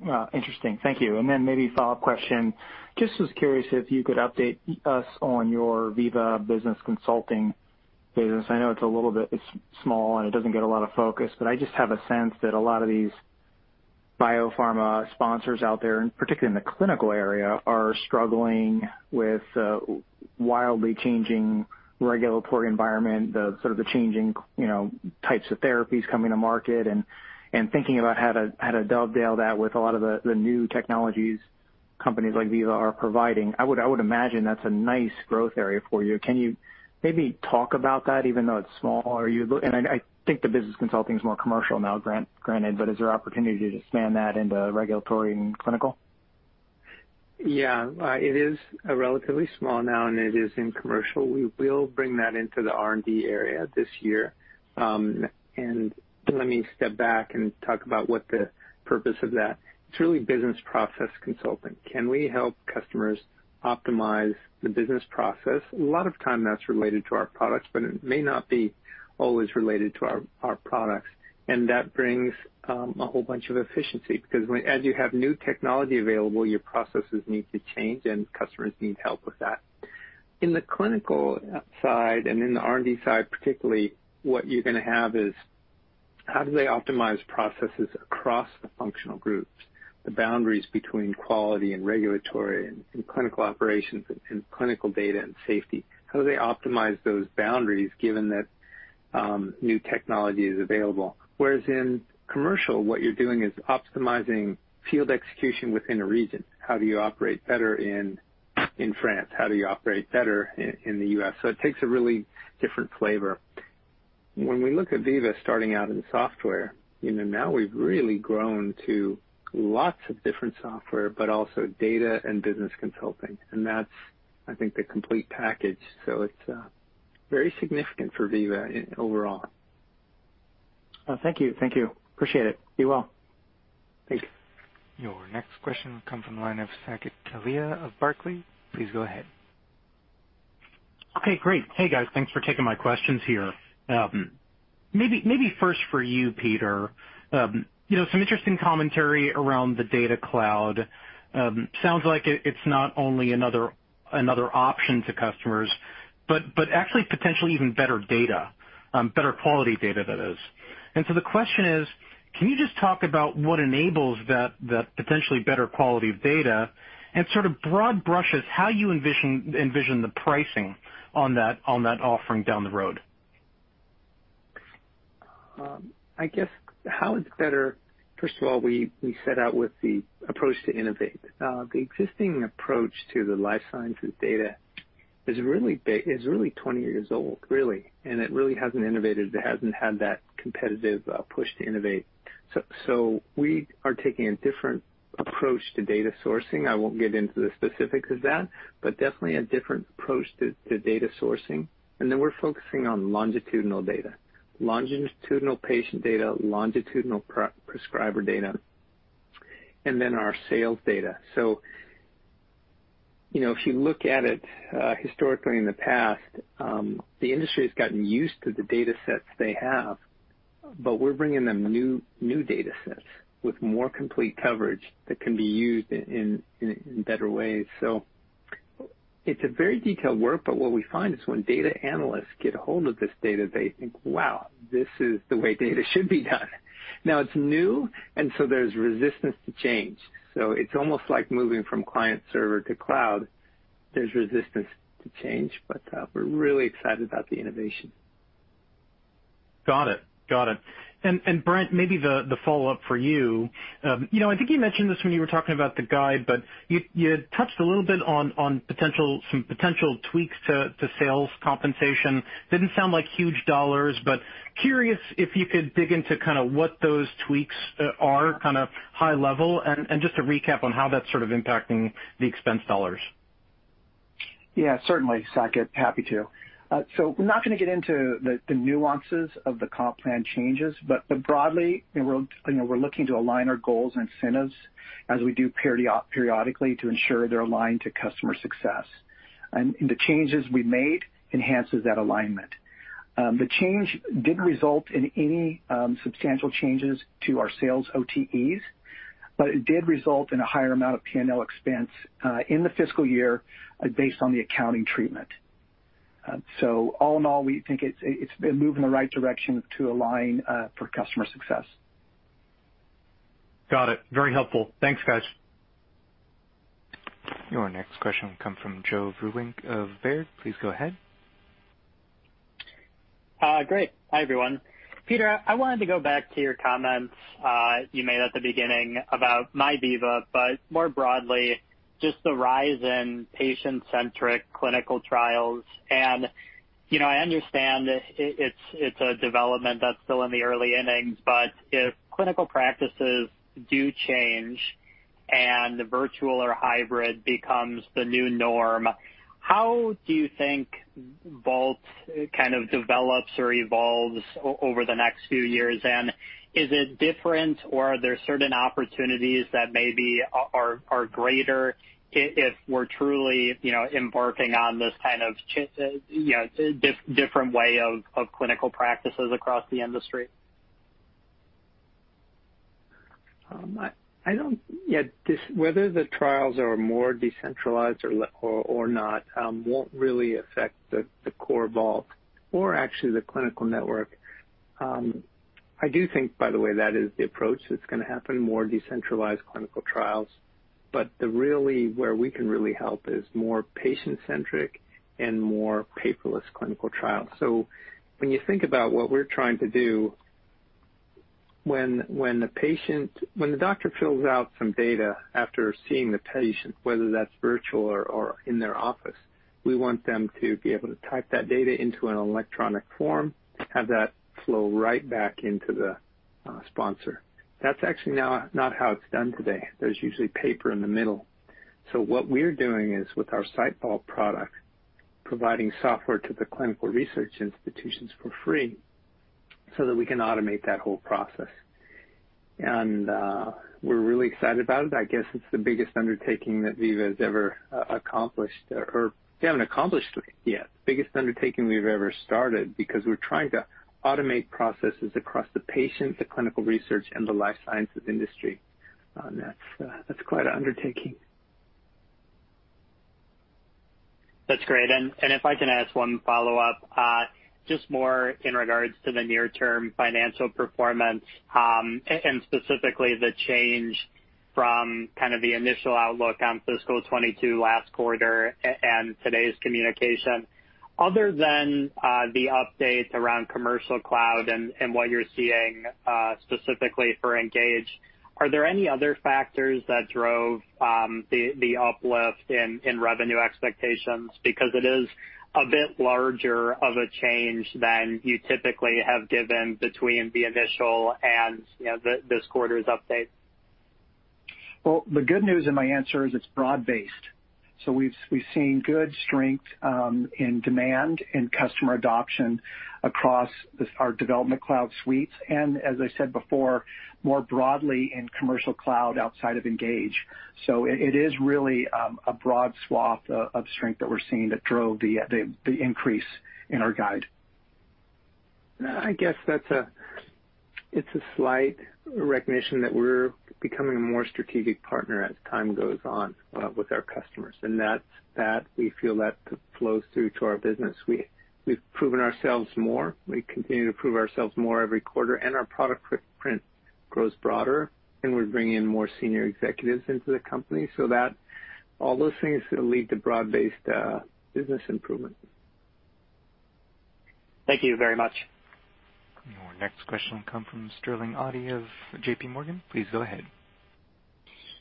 Wow. Interesting. Thank you. Then maybe a follow-up question. Just was curious if you could update us on your Veeva business consulting business. I know it's a little bit small, and it doesn't get a lot of focus, but I just have a sense that a lot of these biopharma sponsors out there, and particularly in the clinical area, are struggling with a wildly changing regulatory environment, the changing types of therapies coming to market, and thinking about how to dovetail that with a lot of the new technologies companies like Veeva are providing. I would imagine that's a nice growth area for you. Can you maybe talk about that even though it's small? I think the business consulting is more commercial now, granted, but is there opportunity to expand that into regulatory and clinical? Yeah. It is relatively small now, and it is in commercial. We will bring that into the R&D area this year. Let me step back and talk about what the purpose of that. It's really business process consulting. Can we help customers optimize the business process? A lot of time that's related to our products, but it may not be always related to our products. That brings a whole bunch of efficiency, because as you have new technology available, your processes need to change and customers need help with that. In the clinical side and in the R&D side particularly, what you're going to have is, how do they optimize processes across the functional groups, the boundaries between quality and regulatory and clinical operations and clinical data and safety? How do they optimize those boundaries given that new technology is available? Whereas in commercial, what you're doing is optimizing field execution within a region. How do you operate better in France? How do you operate better in the U.S.? It takes a really different flavor. When we look at Veeva starting out in software, now we've really grown to lots of different software, but also data and business consulting. That's I think the complete package. It's very significant for Veeva overall. Thank you. Appreciate it. Be well. Thanks. Your next question comes from the line of Saket Kalia of Barclays. Please go ahead. Okay, great. Hey, guys. Thanks for taking my questions here. Maybe first for you, Peter. Some interesting commentary around the Data Cloud. Sounds like it's not only another option to customers, but actually potentially even better data, better quality data, that is. The question is, Can you just talk about what enables that potentially better quality of data and sort of broad brushes, how you envision the pricing on that offering down the road? I guess how it's better, first of all, we set out with the approach to innovate. The existing approach to the life sciences data is really 20 years old, really, and it really hasn't innovated. It hasn't had that competitive push to innovate. We are taking a different approach to data sourcing. I won't get into the specifics of that, but definitely a different approach to data sourcing. We're focusing on longitudinal data. Longitudinal patient data, longitudinal prescriber data, and then our sales data. If you look at it historically in the past, the industry's gotten used to the data sets they have, but we're bringing them new data sets with more complete coverage that can be used in better ways. It's a very detailed work, but what we find is when data analysts get a hold of this data, they think, "Wow, this is the way data should be done." Now it's new, and so there's resistance to change. It's almost like moving from client server to cloud. There's resistance to change, but we're really excited about the innovation. Got it. Brent, maybe the follow-up for you. I think you mentioned this when you were talking about the guide, but you touched a little bit on some potential tweaks to sales compensation. Didn't sound like huge dollars, but curious if you could dig into what those tweaks are, kind of high level, and just a recap on how that's sort of impacting the expense dollars. Yeah, certainly, Saket. Happy to. We're not going to get into the nuances of the comp plan changes, but broadly, we're looking to align our goals and incentives as we do periodically to ensure they're aligned to customer success. The changes we made enhances that alignment. The change didn't result in any substantial changes to our sales OTEs, but it did result in a higher amount of P&L expense in the fiscal year based on the accounting treatment. All in all, we think it's a move in the right direction to align for customer success. Got it. Very helpful. Thanks, guys. Your next question comes from Joe Vruwink of Baird. Please go ahead. Great. Hi, everyone. Peter, I wanted to go back to your comments you made at the beginning about MyVeeva, but more broadly, just the rise in patient-centric clinical trials. I understand it's a development that's still in the early innings, but if clinical practices do change and the virtual or hybrid becomes the new norm, how do you think Vault kind of develops or evolves over the next few years? Is it different, or are there certain opportunities that maybe are greater, if we're truly embarking on this kind of different way of clinical practices across the industry? Whether the trials are more decentralized or not won't really affect the core Vault or actually the Clinical Network. I do think, by the way, that is the approach that's going to happen, more decentralized clinical trials. Where we can really help is more patient-centric and more paperless clinical trials. When you think about what we're trying to do, when the doctor fills out some data after seeing the patient, whether that's virtual or in their office, we want them to be able to type that data into an electronic form, have that flow right back into the sponsor. That's actually not how it's done today. There's usually paper in the middle. What we're doing is with our SiteVault product, providing software to the clinical research institutions for free so that we can automate that whole process. We're really excited about it. I guess it's the biggest undertaking that Veeva has ever accomplished, or we haven't accomplished it yet. Biggest undertaking we've ever started because we're trying to automate processes across the patient, the clinical research, and the life sciences industry. That's quite an undertaking. That's great. If I can ask one follow-up, just more in regards to the near-term financial performance, and specifically the change from kind of the initial outlook on fiscal 2022 last quarter and today's communication. Other than the updates around Commercial Cloud and what you're seeing specifically for Engage, are there any other factors that drove the uplift in revenue expectations? It is a bit larger of a change than you typically have given between the initial and this quarter's update. The good news in my answer is it's broad-based. We've seen good strength in demand, in customer adoption across our Development Cloud suites, and as I said before, more broadly in Commercial Cloud outside of Engage. It is really a broad swath of strength that we're seeing that drove the increase in our guide. I guess it's a slight recognition that we're becoming a more strategic partner as time goes on with our customers. We feel that flows through to our business. We've proven ourselves more. We continue to prove ourselves more every quarter, and our product footprint grows broader, and we're bringing in more senior executives into the company. All those things lead to broad-based business improvement. Thank you very much. Our next question will come from Sterling Auty of JPMorgan. Please go ahead.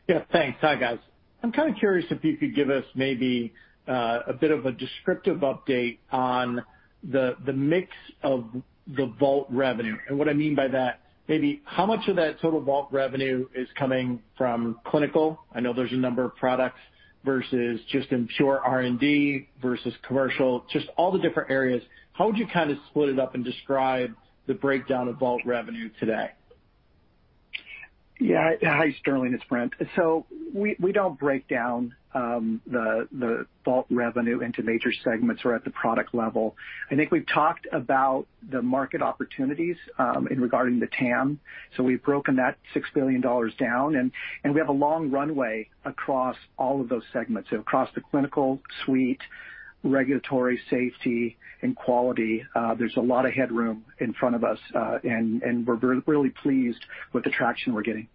Yeah, thanks. Hi, guys. I am curious if you could give us maybe a bit of a descriptive update on the mix of the Vault revenue. What I mean by that, maybe how much of that total Vault revenue is coming from clinical, I know there is a number of products, versus just in pure R&D versus commercial, just all the different areas. How would you split it up and describe the breakdown of Vault revenue today? Yeah. Hi, Sterling, it's Brent. We don't break down the Vault revenue into major segments or at the product level. I think we've talked about the market opportunities, in regarding the TAM. We've broken that $6 billion down, and we have a long runway across all of those segments. Across the Clinical Suite, Regulatory, Safety, and Quality. There's a lot of headroom in front of us, and we're really pleased with the traction we're getting.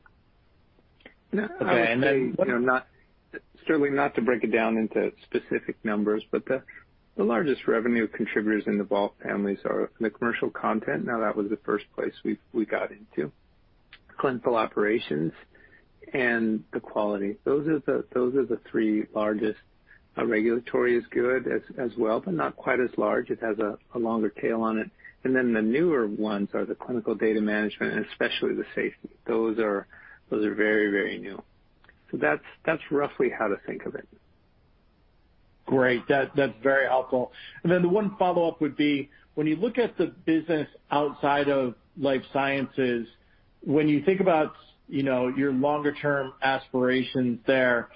I would say. Okay. Sterling, not to break it down into specific numbers, but the largest revenue contributors in the Vault families are the commercial content. That was the first place we got into. Clinical operations and the quality. Those are the three largest. Regulatory is good as well, but not quite as large. It has a longer tail on it. The newer ones are the clinical data management and especially the safety. Those are very new. That's roughly how to think of it. Great. That's very helpful. The one follow-up would be, when you look at the business outside of life sciences, when you think about your longer-term aspirations there,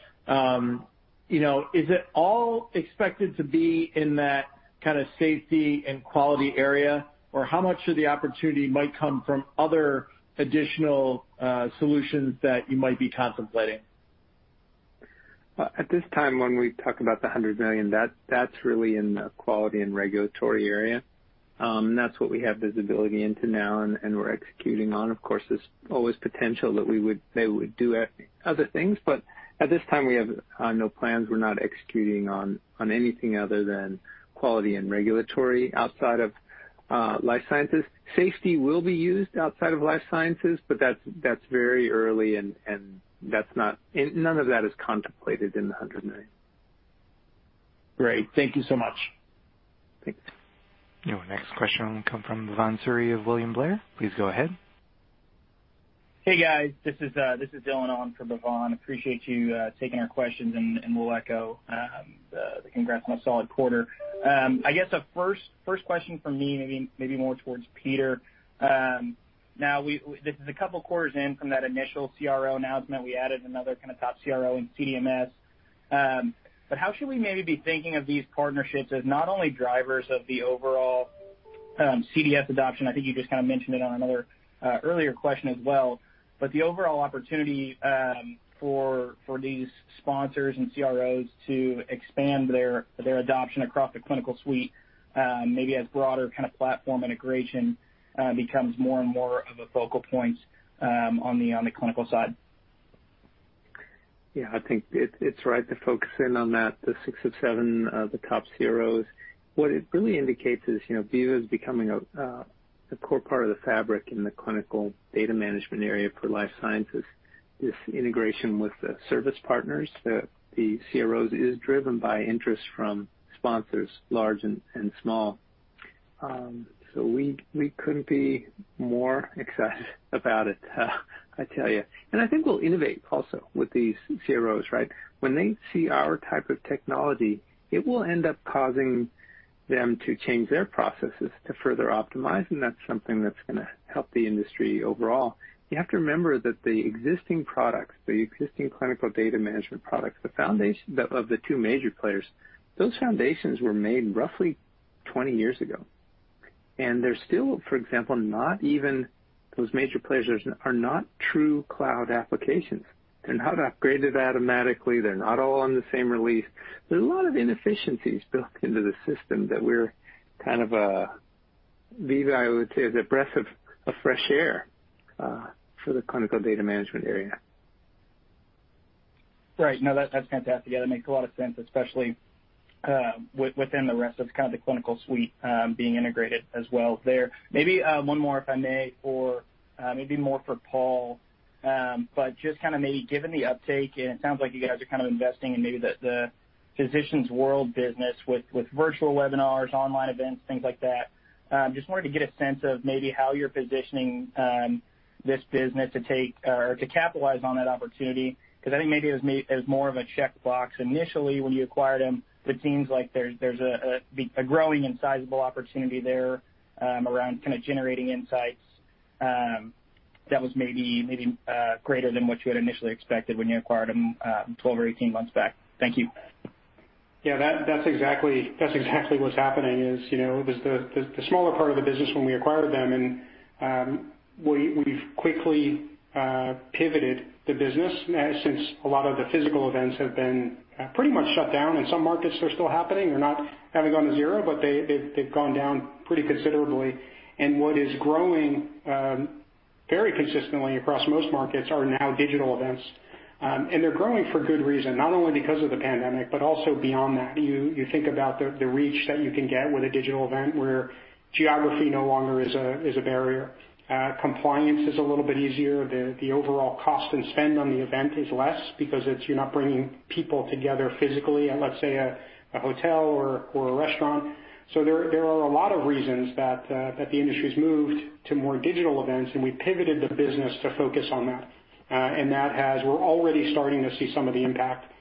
is it all expected to be in that kind of safety and quality area, or how much of the opportunity might come from other additional solutions that you might be contemplating? At this time, when we talk about the $100 million, that's really in the quality and regulatory area. That's what we have visibility into now and we're executing on. Of course, there's always potential that they would do other things, but at this time, we have no plans. We're not executing on anything other than quality and regulatory outside of life sciences. Safety will be used outside of life sciences, but that's very early, and none of that is contemplated in the $100 million. Great. Thank you so much. Thanks. Our next question will come from Bhavan Suri of William Blair. Please go ahead. Hey, guys. This is Dylan on for Bhavan. Appreciate you taking our questions, we'll echo the congrats on a solid quarter. I guess a first question from me, maybe more towards Peter. This is a couple quarters in from that initial CRO announcement. We added another kind of top CRO in CDMS. How should we maybe be thinking of these partnerships as not only drivers of the overall CDMS adoption, I think you just kind of mentioned it on another earlier question as well, but the overall opportunity for these sponsors and CROs to expand their adoption across the clinical suite, maybe as broader kind of platform integration becomes more and more of a focal point on the clinical side? Yeah, I think it's right to focus in on that, the six of seven of the top CROs. What it really indicates is Veeva is becoming a core part of the fabric in the clinical data management area for life sciences. This integration with the service partners, the CROs, is driven by interest from sponsors, large and small. We couldn't be more excited about it, I tell you. I think we'll innovate also with these CROs, right? When they see our type of technology, it will end up causing them to change their processes to further optimize, and that's something that's going to help the industry overall. You have to remember that the existing products, the existing clinical data management products, the foundation of the two major players, those foundations were made roughly 20 years ago. They're still, for example, those major players are not true cloud applications. They're not upgraded automatically. They're not all on the same release. There's a lot of inefficiencies built into the system that Veeva is, I would say, is a breath of fresh air for the clinical data management area. Right. No, that's fantastic. Yeah, that makes a lot of sense, especially within the rest of kind of the Vault Clinical Suite being integrated as well there. Maybe one more, if I may, maybe more for Paul. Just maybe given the uptake, and it sounds like you guys are kind of investing in maybe the Physicians World business with virtual webinars, online events, things like that. Just wanted to get a sense of maybe how you're positioning this business to capitalize on that opportunity, because I think maybe it was more of a checkbox initially when you acquired them, but it seems like there's a growing and sizable opportunity there around generating insights. That was maybe greater than what you had initially expected when you acquired them 12 or 18 months back. Thank you. Yeah, that's exactly what's happening is, it was the smaller part of the business when we acquired them, and we've quickly pivoted the business since a lot of the physical events have been pretty much shut down. In some markets they're still happening. They haven't gone to zero, but they've gone down pretty considerably. What is growing very consistently across most markets are now digital events. They're growing for good reason, not only because of the pandemic, but also beyond that. You think about the reach that you can get with a digital event, where geography no longer is a barrier. Compliance is a little bit easier. The overall cost and spend on the event is less because you're not bringing people together physically at, let's say, a hotel or a restaurant. There are a lot of reasons that the industry's moved to more digital events, and we pivoted the business to focus on that. We're already starting to see some of the impact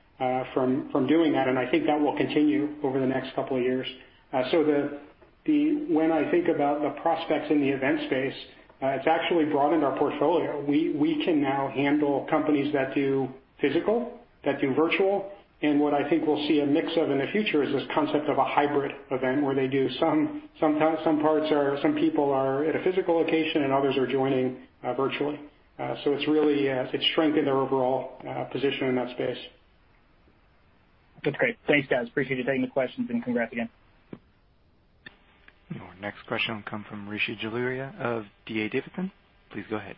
from doing that, and I think that will continue over the next couple of years. When I think about the prospects in the event space, it's actually broadened our portfolio. We can now handle companies that do physical, that do virtual. What I think we'll see a mix of in the future is this concept of a hybrid event, where they do some people are at a physical location and others are joining virtually. It's strengthened our overall position in that space. That's great. Thanks, guys. Appreciate you taking the questions and congrats again. Your next question will come from Rishi Jaluria of D.A. Davidson. Please go ahead.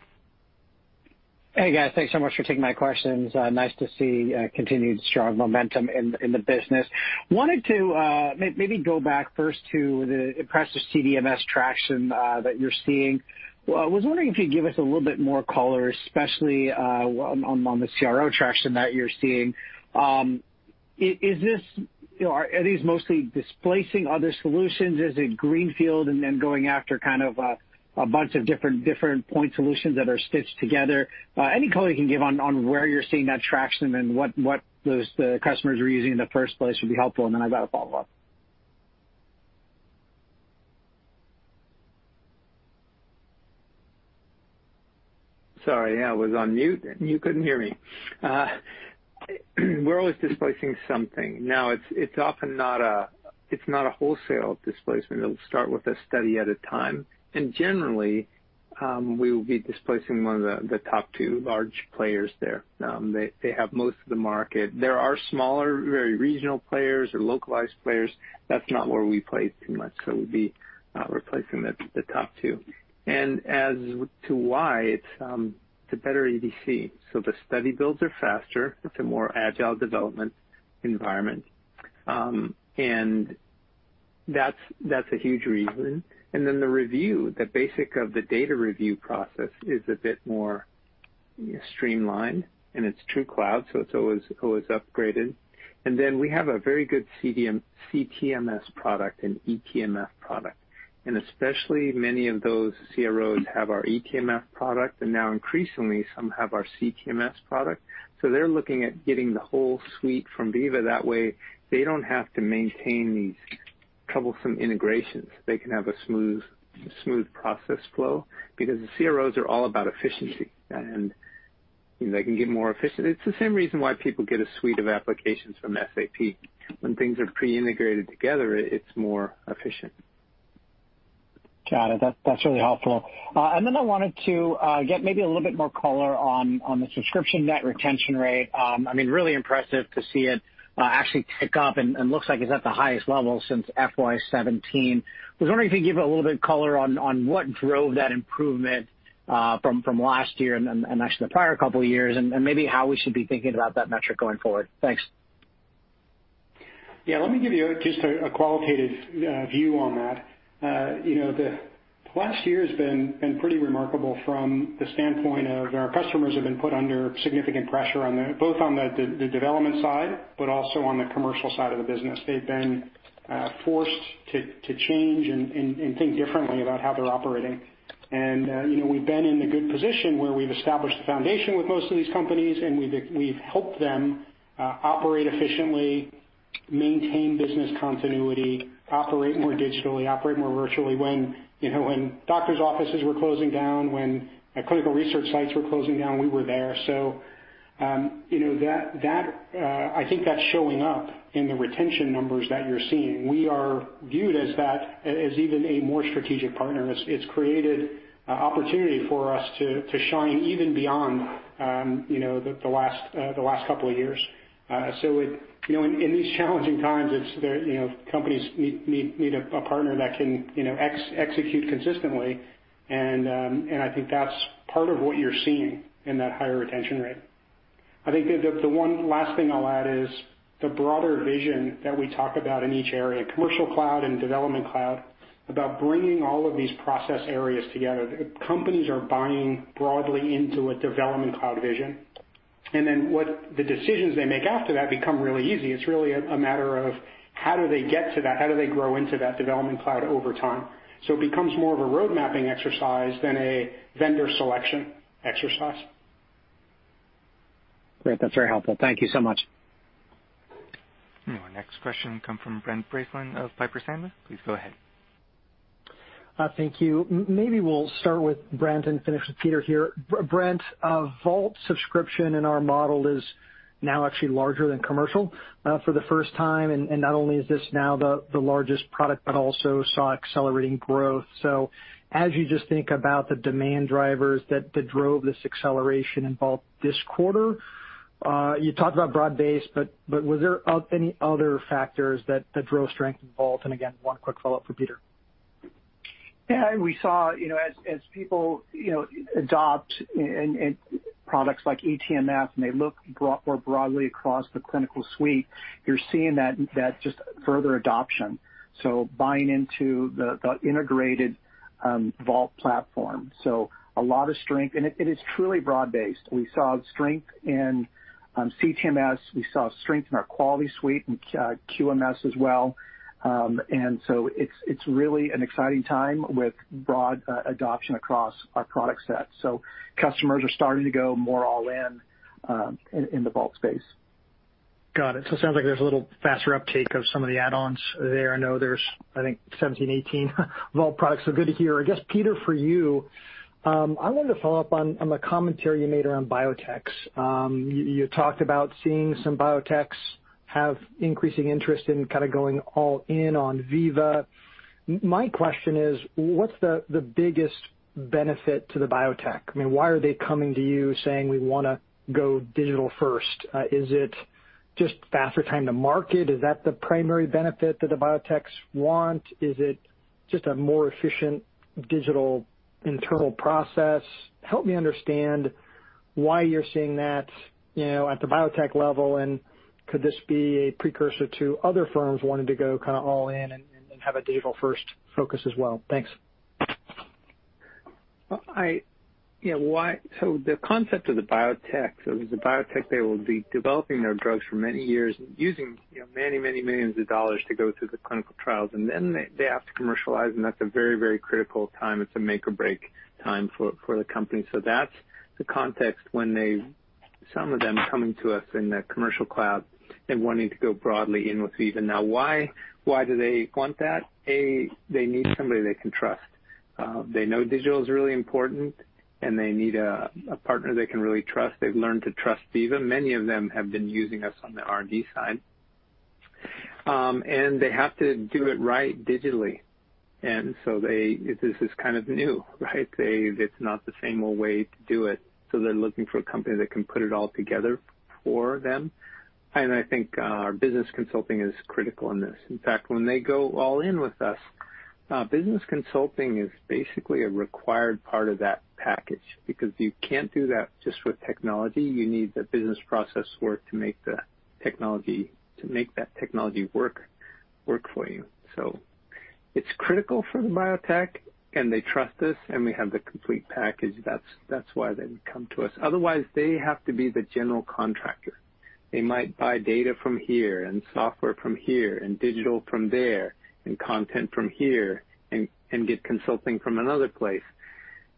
Hey, guys. Thanks so much for taking my questions. Nice to see continued strong momentum in the business. Wanted to maybe go back first to the impressive CDMS traction that you're seeing. I was wondering if you'd give us a little bit more color, especially on the CRO traction that you're seeing. Are these mostly displacing other solutions? Is it greenfield and then going after kind of a bunch of different point solutions that are stitched together? Any color you can give on where you're seeing that traction and what those customers were using in the first place would be helpful, and then I've got a follow-up. Sorry, I was on mute, and you couldn't hear me. We're always displacing something. It's often not a wholesale displacement. It'll start with a study at a time, and generally, we will be displacing one of the top two large players there. They have most of the market. There are smaller, very regional players or localized players. That's not where we play too much. We'd be replacing the top two. As to why, it's a better EDC. The study builds are faster. It's a more agile development environment. That's a huge reason. The review, the basic of the data review process is a bit more streamlined, and it's true cloud, so it's always upgraded. We have a very good CTMS product and eTMF product, especially many of those CROs have our eTMF product, and now increasingly, some have our CTMS product. They're looking at getting the whole suite from Veeva. That way, they don't have to maintain these troublesome integrations. They can have a smooth process flow because the CROs are all about efficiency, and they can get more efficient. It's the same reason why people get a suite of applications from SAP. When things are pre-integrated together, it's more efficient. Got it. That's really helpful. I wanted to get maybe a little bit more color on the subscription net retention rate. Really impressive to see it actually tick up, and looks like it's at the highest level since FY 2017. Was wondering if you could give a little bit of color on what drove that improvement from last year and actually the prior couple of years, and maybe how we should be thinking about that metric going forward. Thanks. Yeah, let me give you just a qualitative view on that. The last year has been pretty remarkable from the standpoint of our customers have been put under significant pressure, both on the development side, but also on the commercial side of the business. They've been forced to change and think differently about how they're operating. We've been in the good position where we've established the foundation with most of these companies, and we've helped them operate efficiently, maintain business continuity, operate more digitally, operate more virtually. When doctor's offices were closing down, when clinical research sites were closing down, we were there. I think that's showing up in the retention numbers that you're seeing. We are viewed as that, as even a more strategic partner, and it's created opportunity for us to shine even beyond the last couple of years. In these challenging times, companies need a partner that can execute consistently, and I think that's part of what you're seeing in that higher retention rate. I think the one last thing I'll add is the broader vision that we talk about in each area, Commercial Cloud and Development Cloud, about bringing all of these process areas together. Companies are buying broadly into a Development Cloud vision, and then the decisions they make after that become really easy. It's really a matter of how do they get to that? How do they grow into that Development Cloud over time? It becomes more of a road mapping exercise than a vendor selection exercise. Great. That's very helpful. Thank you so much. Our next question come from Brent Bracelin of Piper Sandler. Please go ahead. Thank you. Maybe we'll start with Brent and finish with Peter here. Brent, Vault subscription in our model is now actually larger than Commercial Cloud for the first time, not only is this now the largest product, but also saw accelerating growth. As you just think about the demand drivers that drove this acceleration in Vault this quarter, you talked about broad-based, was there any other factors that drove strength in Vault? Again, one quick follow-up for Peter. Yeah, we saw as people adopt products like Veeva Vault eTMF and they look more broadly across the Vault Clinical Suite, you're seeing that just further adoption. Buying into the integrated Vault platform. A lot of strength, and it is truly broad-based. We saw strength in Veeva Vault CTMS, we saw strength in our Vault Quality Suite and Veeva Vault QMS as well. It's really an exciting time with broad adoption across our product set. Customers are starting to go more all in in the Vault space. Got it. It sounds like there's a little faster uptake of some of the add-ons there. I know there's, I think, 17, 18 Vault products. Good to hear. I guess, Peter, for you, I wanted to follow up on the commentary you made around biotechs. You talked about seeing some biotechs have increasing interest in kind of going all in on Veeva. My question is, what's the biggest benefit to the biotech? I mean, why are they coming to you saying, "We want to go digital-first"? Is it just faster time to market? Is that the primary benefit that the biotechs want? Is it just a more efficient digital internal process? Help me understand why you're seeing that at the biotech level, and could this be a precursor to other firms wanting to go all in and have a digital-first focus as well? Thanks. The concept of the biotech, so the biotech, they will be developing their drugs for many years and using many millions of dollars to go through the clinical trials, and then they have to commercialize, and that's a very critical time. It's a make or break time for the company. That's the context when some of them coming to us in the Commercial Cloud and wanting to go broadly in with Veeva. Why do they want that? A, they need somebody they can trust. They know digital's really important, and they need a partner they can really trust. They've learned to trust Veeva. Many of them have been using us on the R&D side. They have to do it right digitally, this is kind of new, right? It's not the same old way to do it, they're looking for a company that can put it all together for them, and I think our business consulting is critical in this. In fact, when they go all in with us, business consulting is basically a required part of that package, because you can't do that just with technology. You need the business process work to make that technology work for you. It's critical for the biotech, and they trust us, and we have the complete package. That's why they come to us. Otherwise, they have to be the general contractor. They might buy data from here and software from here and digital from there and content from here and get consulting from another place.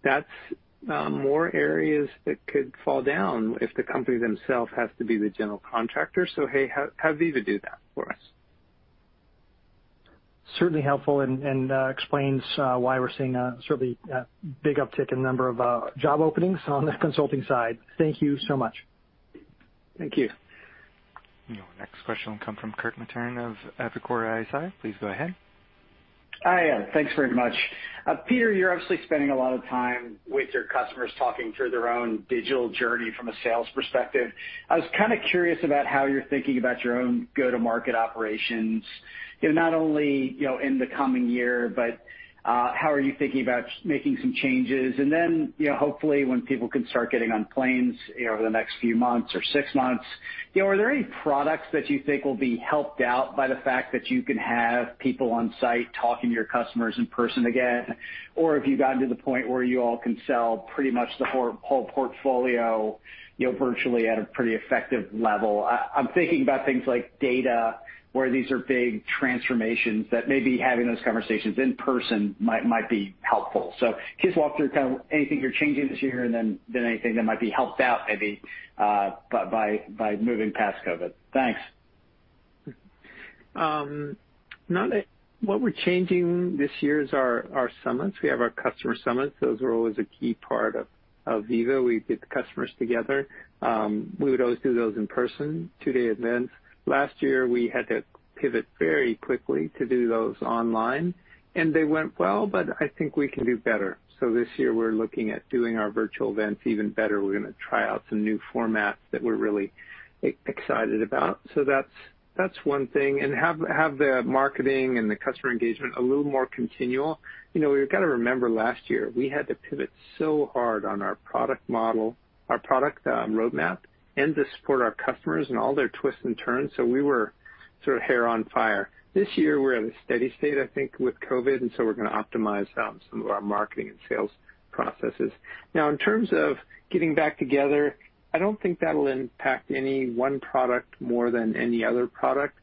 That's more areas that could fall down if the company themself has to be the general contractor. Hey, have Veeva do that for us. Certainly helpful and explains why we're seeing certainly a big uptick in number of job openings on the consulting side. Thank you so much. Thank you. Our next question will come from Kirk Materne of Evercore ISI. Please go ahead. Hi. Thanks very much. Peter, you're obviously spending a lot of time with your customers talking through their own digital journey from a sales perspective. I was kind of curious about how you're thinking about your own go-to-market operations, not only in the coming year, but how are you thinking about making some changes? Hopefully when people can start getting on planes over the next few months or six months, are there any products that you think will be helped out by the fact that you can have people on site talking to your customers in person again? Have you gotten to the point where you all can sell pretty much the whole portfolio virtually at a pretty effective level? I'm thinking about things like data, where these are big transformations that maybe having those conversations in person might be helpful. Just walk through kind of anything you're changing this year and then anything that might be helped out, maybe, by moving past COVID. Thanks. What we're changing this year is our summits. We have our customer summits. Those are always a key part of Veeva. We get the customers together. We would always do those in person, two-day events. Last year, we had to pivot very quickly to do those online, and they went well, but I think we can do better. This year, we're looking at doing our virtual events even better. We're going to try out some new formats that we're really excited about. That's one thing. Have the marketing and the customer engagement a little more continual. We've got to remember last year, we had to pivot so hard on our product model, our product roadmap, and to support our customers and all their twists and turns, so we were sort of hair on fire. This year, we're at a steady state, I think, with COVID, we're going to optimize some of our marketing and sales processes. In terms of getting back together, I don't think that'll impact any one product more than any other product.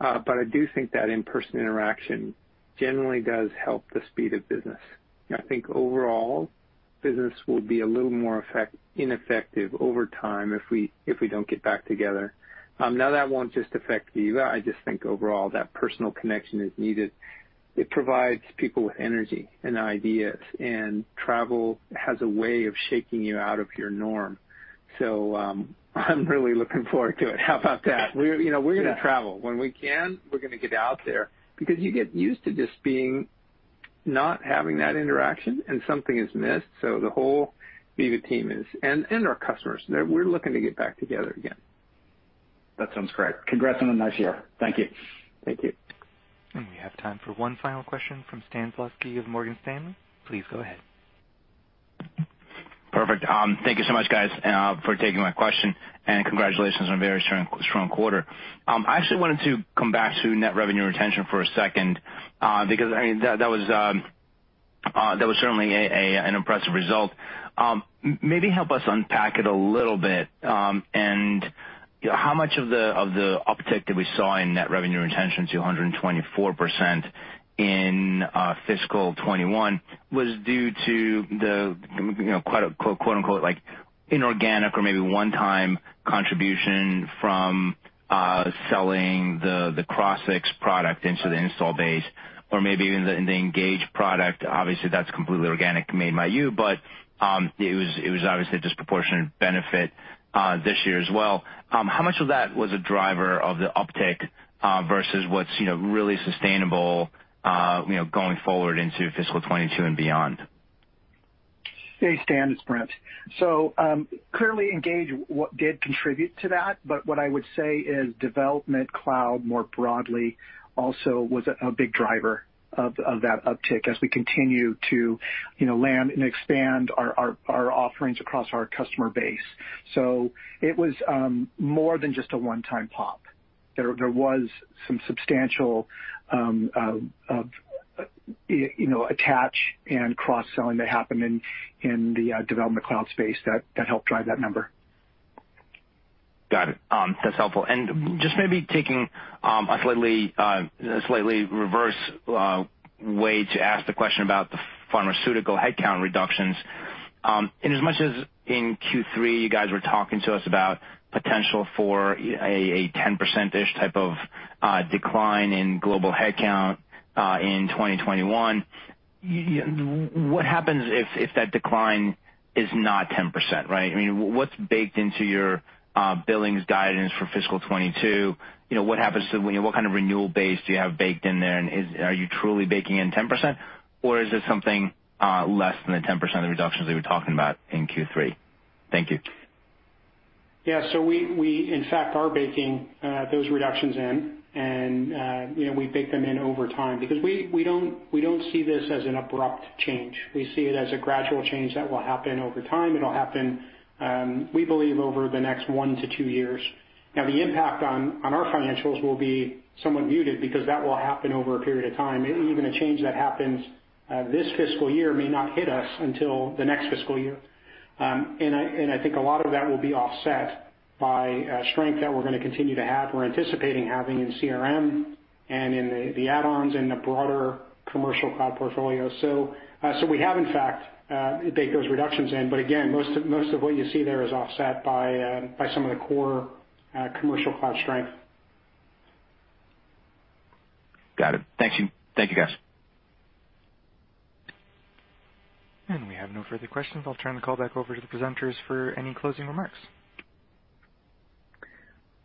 I do think that in-person interaction generally does help the speed of business. I think overall, business will be a little more ineffective over time if we don't get back together. That won't just affect Veeva. I just think overall, that personal connection is needed. It provides people with energy and ideas, travel has a way of shaking you out of your norm. I'm really looking forward to it. How about that? We're going to travel. When we can, we're going to get out there because you get used to just not having that interaction, something is missed. The whole Veeva team and our customers, we're looking to get back together again. That sounds great. Congrats on a nice year. Thank you. Thank you. We have time for one final question from Stan Berenshteyn of Morgan Stanley. Please go ahead. Perfect. Thank you so much guys for taking my question, congratulations on a very strong quarter. I actually wanted to come back to net revenue retention for a second, because that was certainly an impressive result. Maybe help us unpack it a little bit, how much of the uptick that we saw in net revenue retention to 124% in fiscal 2021 was due to the quote unquote, "inorganic" or maybe one-time contribution from selling the Crossix product into the install base or maybe even the Engage product. Obviously, that's completely organic made by you, it was obviously a disproportionate benefit this year as well. How much of that was a driver of the uptick versus what's really sustainable going forward into fiscal 2022 and beyond? Hey, Stan. It's Brent. Clearly Engage did contribute to that, but what I would say is Development Cloud more broadly also was a big driver of that uptick as we continue to land and expand our offerings across our customer base. It was more than just a one-time pop. There was some substantial attach and cross-selling that happened in the Development Cloud space that helped drive that number. Got it. That's helpful. Just maybe taking a slightly reverse way to ask the question about the pharmaceutical headcount reductions. Inasmuch as in Q3, you guys were talking to us about potential for a 10%-ish type of decline in global headcount in 2021. What happens if that decline is not 10%, right? What's baked into your billings guidance for fiscal 2022? What kind of renewal base do you have baked in there? Are you truly baking in 10%, or is it something less than the 10% of the reductions that you're talking about in Q3? Thank you. Yeah. We, in fact, are baking those reductions in, and we bake them in over time because we don't see this as an abrupt change. We see it as a gradual change that will happen over time. It'll happen, we believe, over the next one to two years. The impact on our financials will be somewhat muted because that will happen over a period of time. Even a change that happens this fiscal year may not hit us until the next fiscal year. I think a lot of that will be offset by strength that we're going to continue to have, we're anticipating having in CRM, and in the add-ons and the broader Commercial Cloud portfolio. We have, in fact, baked those reductions in. Again, most of what you see there is offset by some of the core Commercial Cloud strength. Got it. Thank you, guys. We have no further questions. I'll turn the call back over to the presenters for any closing remarks.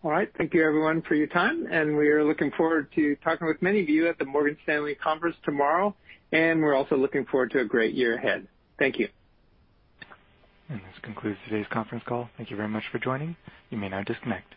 All right. Thank you everyone for your time. We are looking forward to talking with many of you at the Morgan Stanley Conference tomorrow. We're also looking forward to a great year ahead. Thank you. This concludes today's conference call. Thank you very much for joining. You may now disconnect.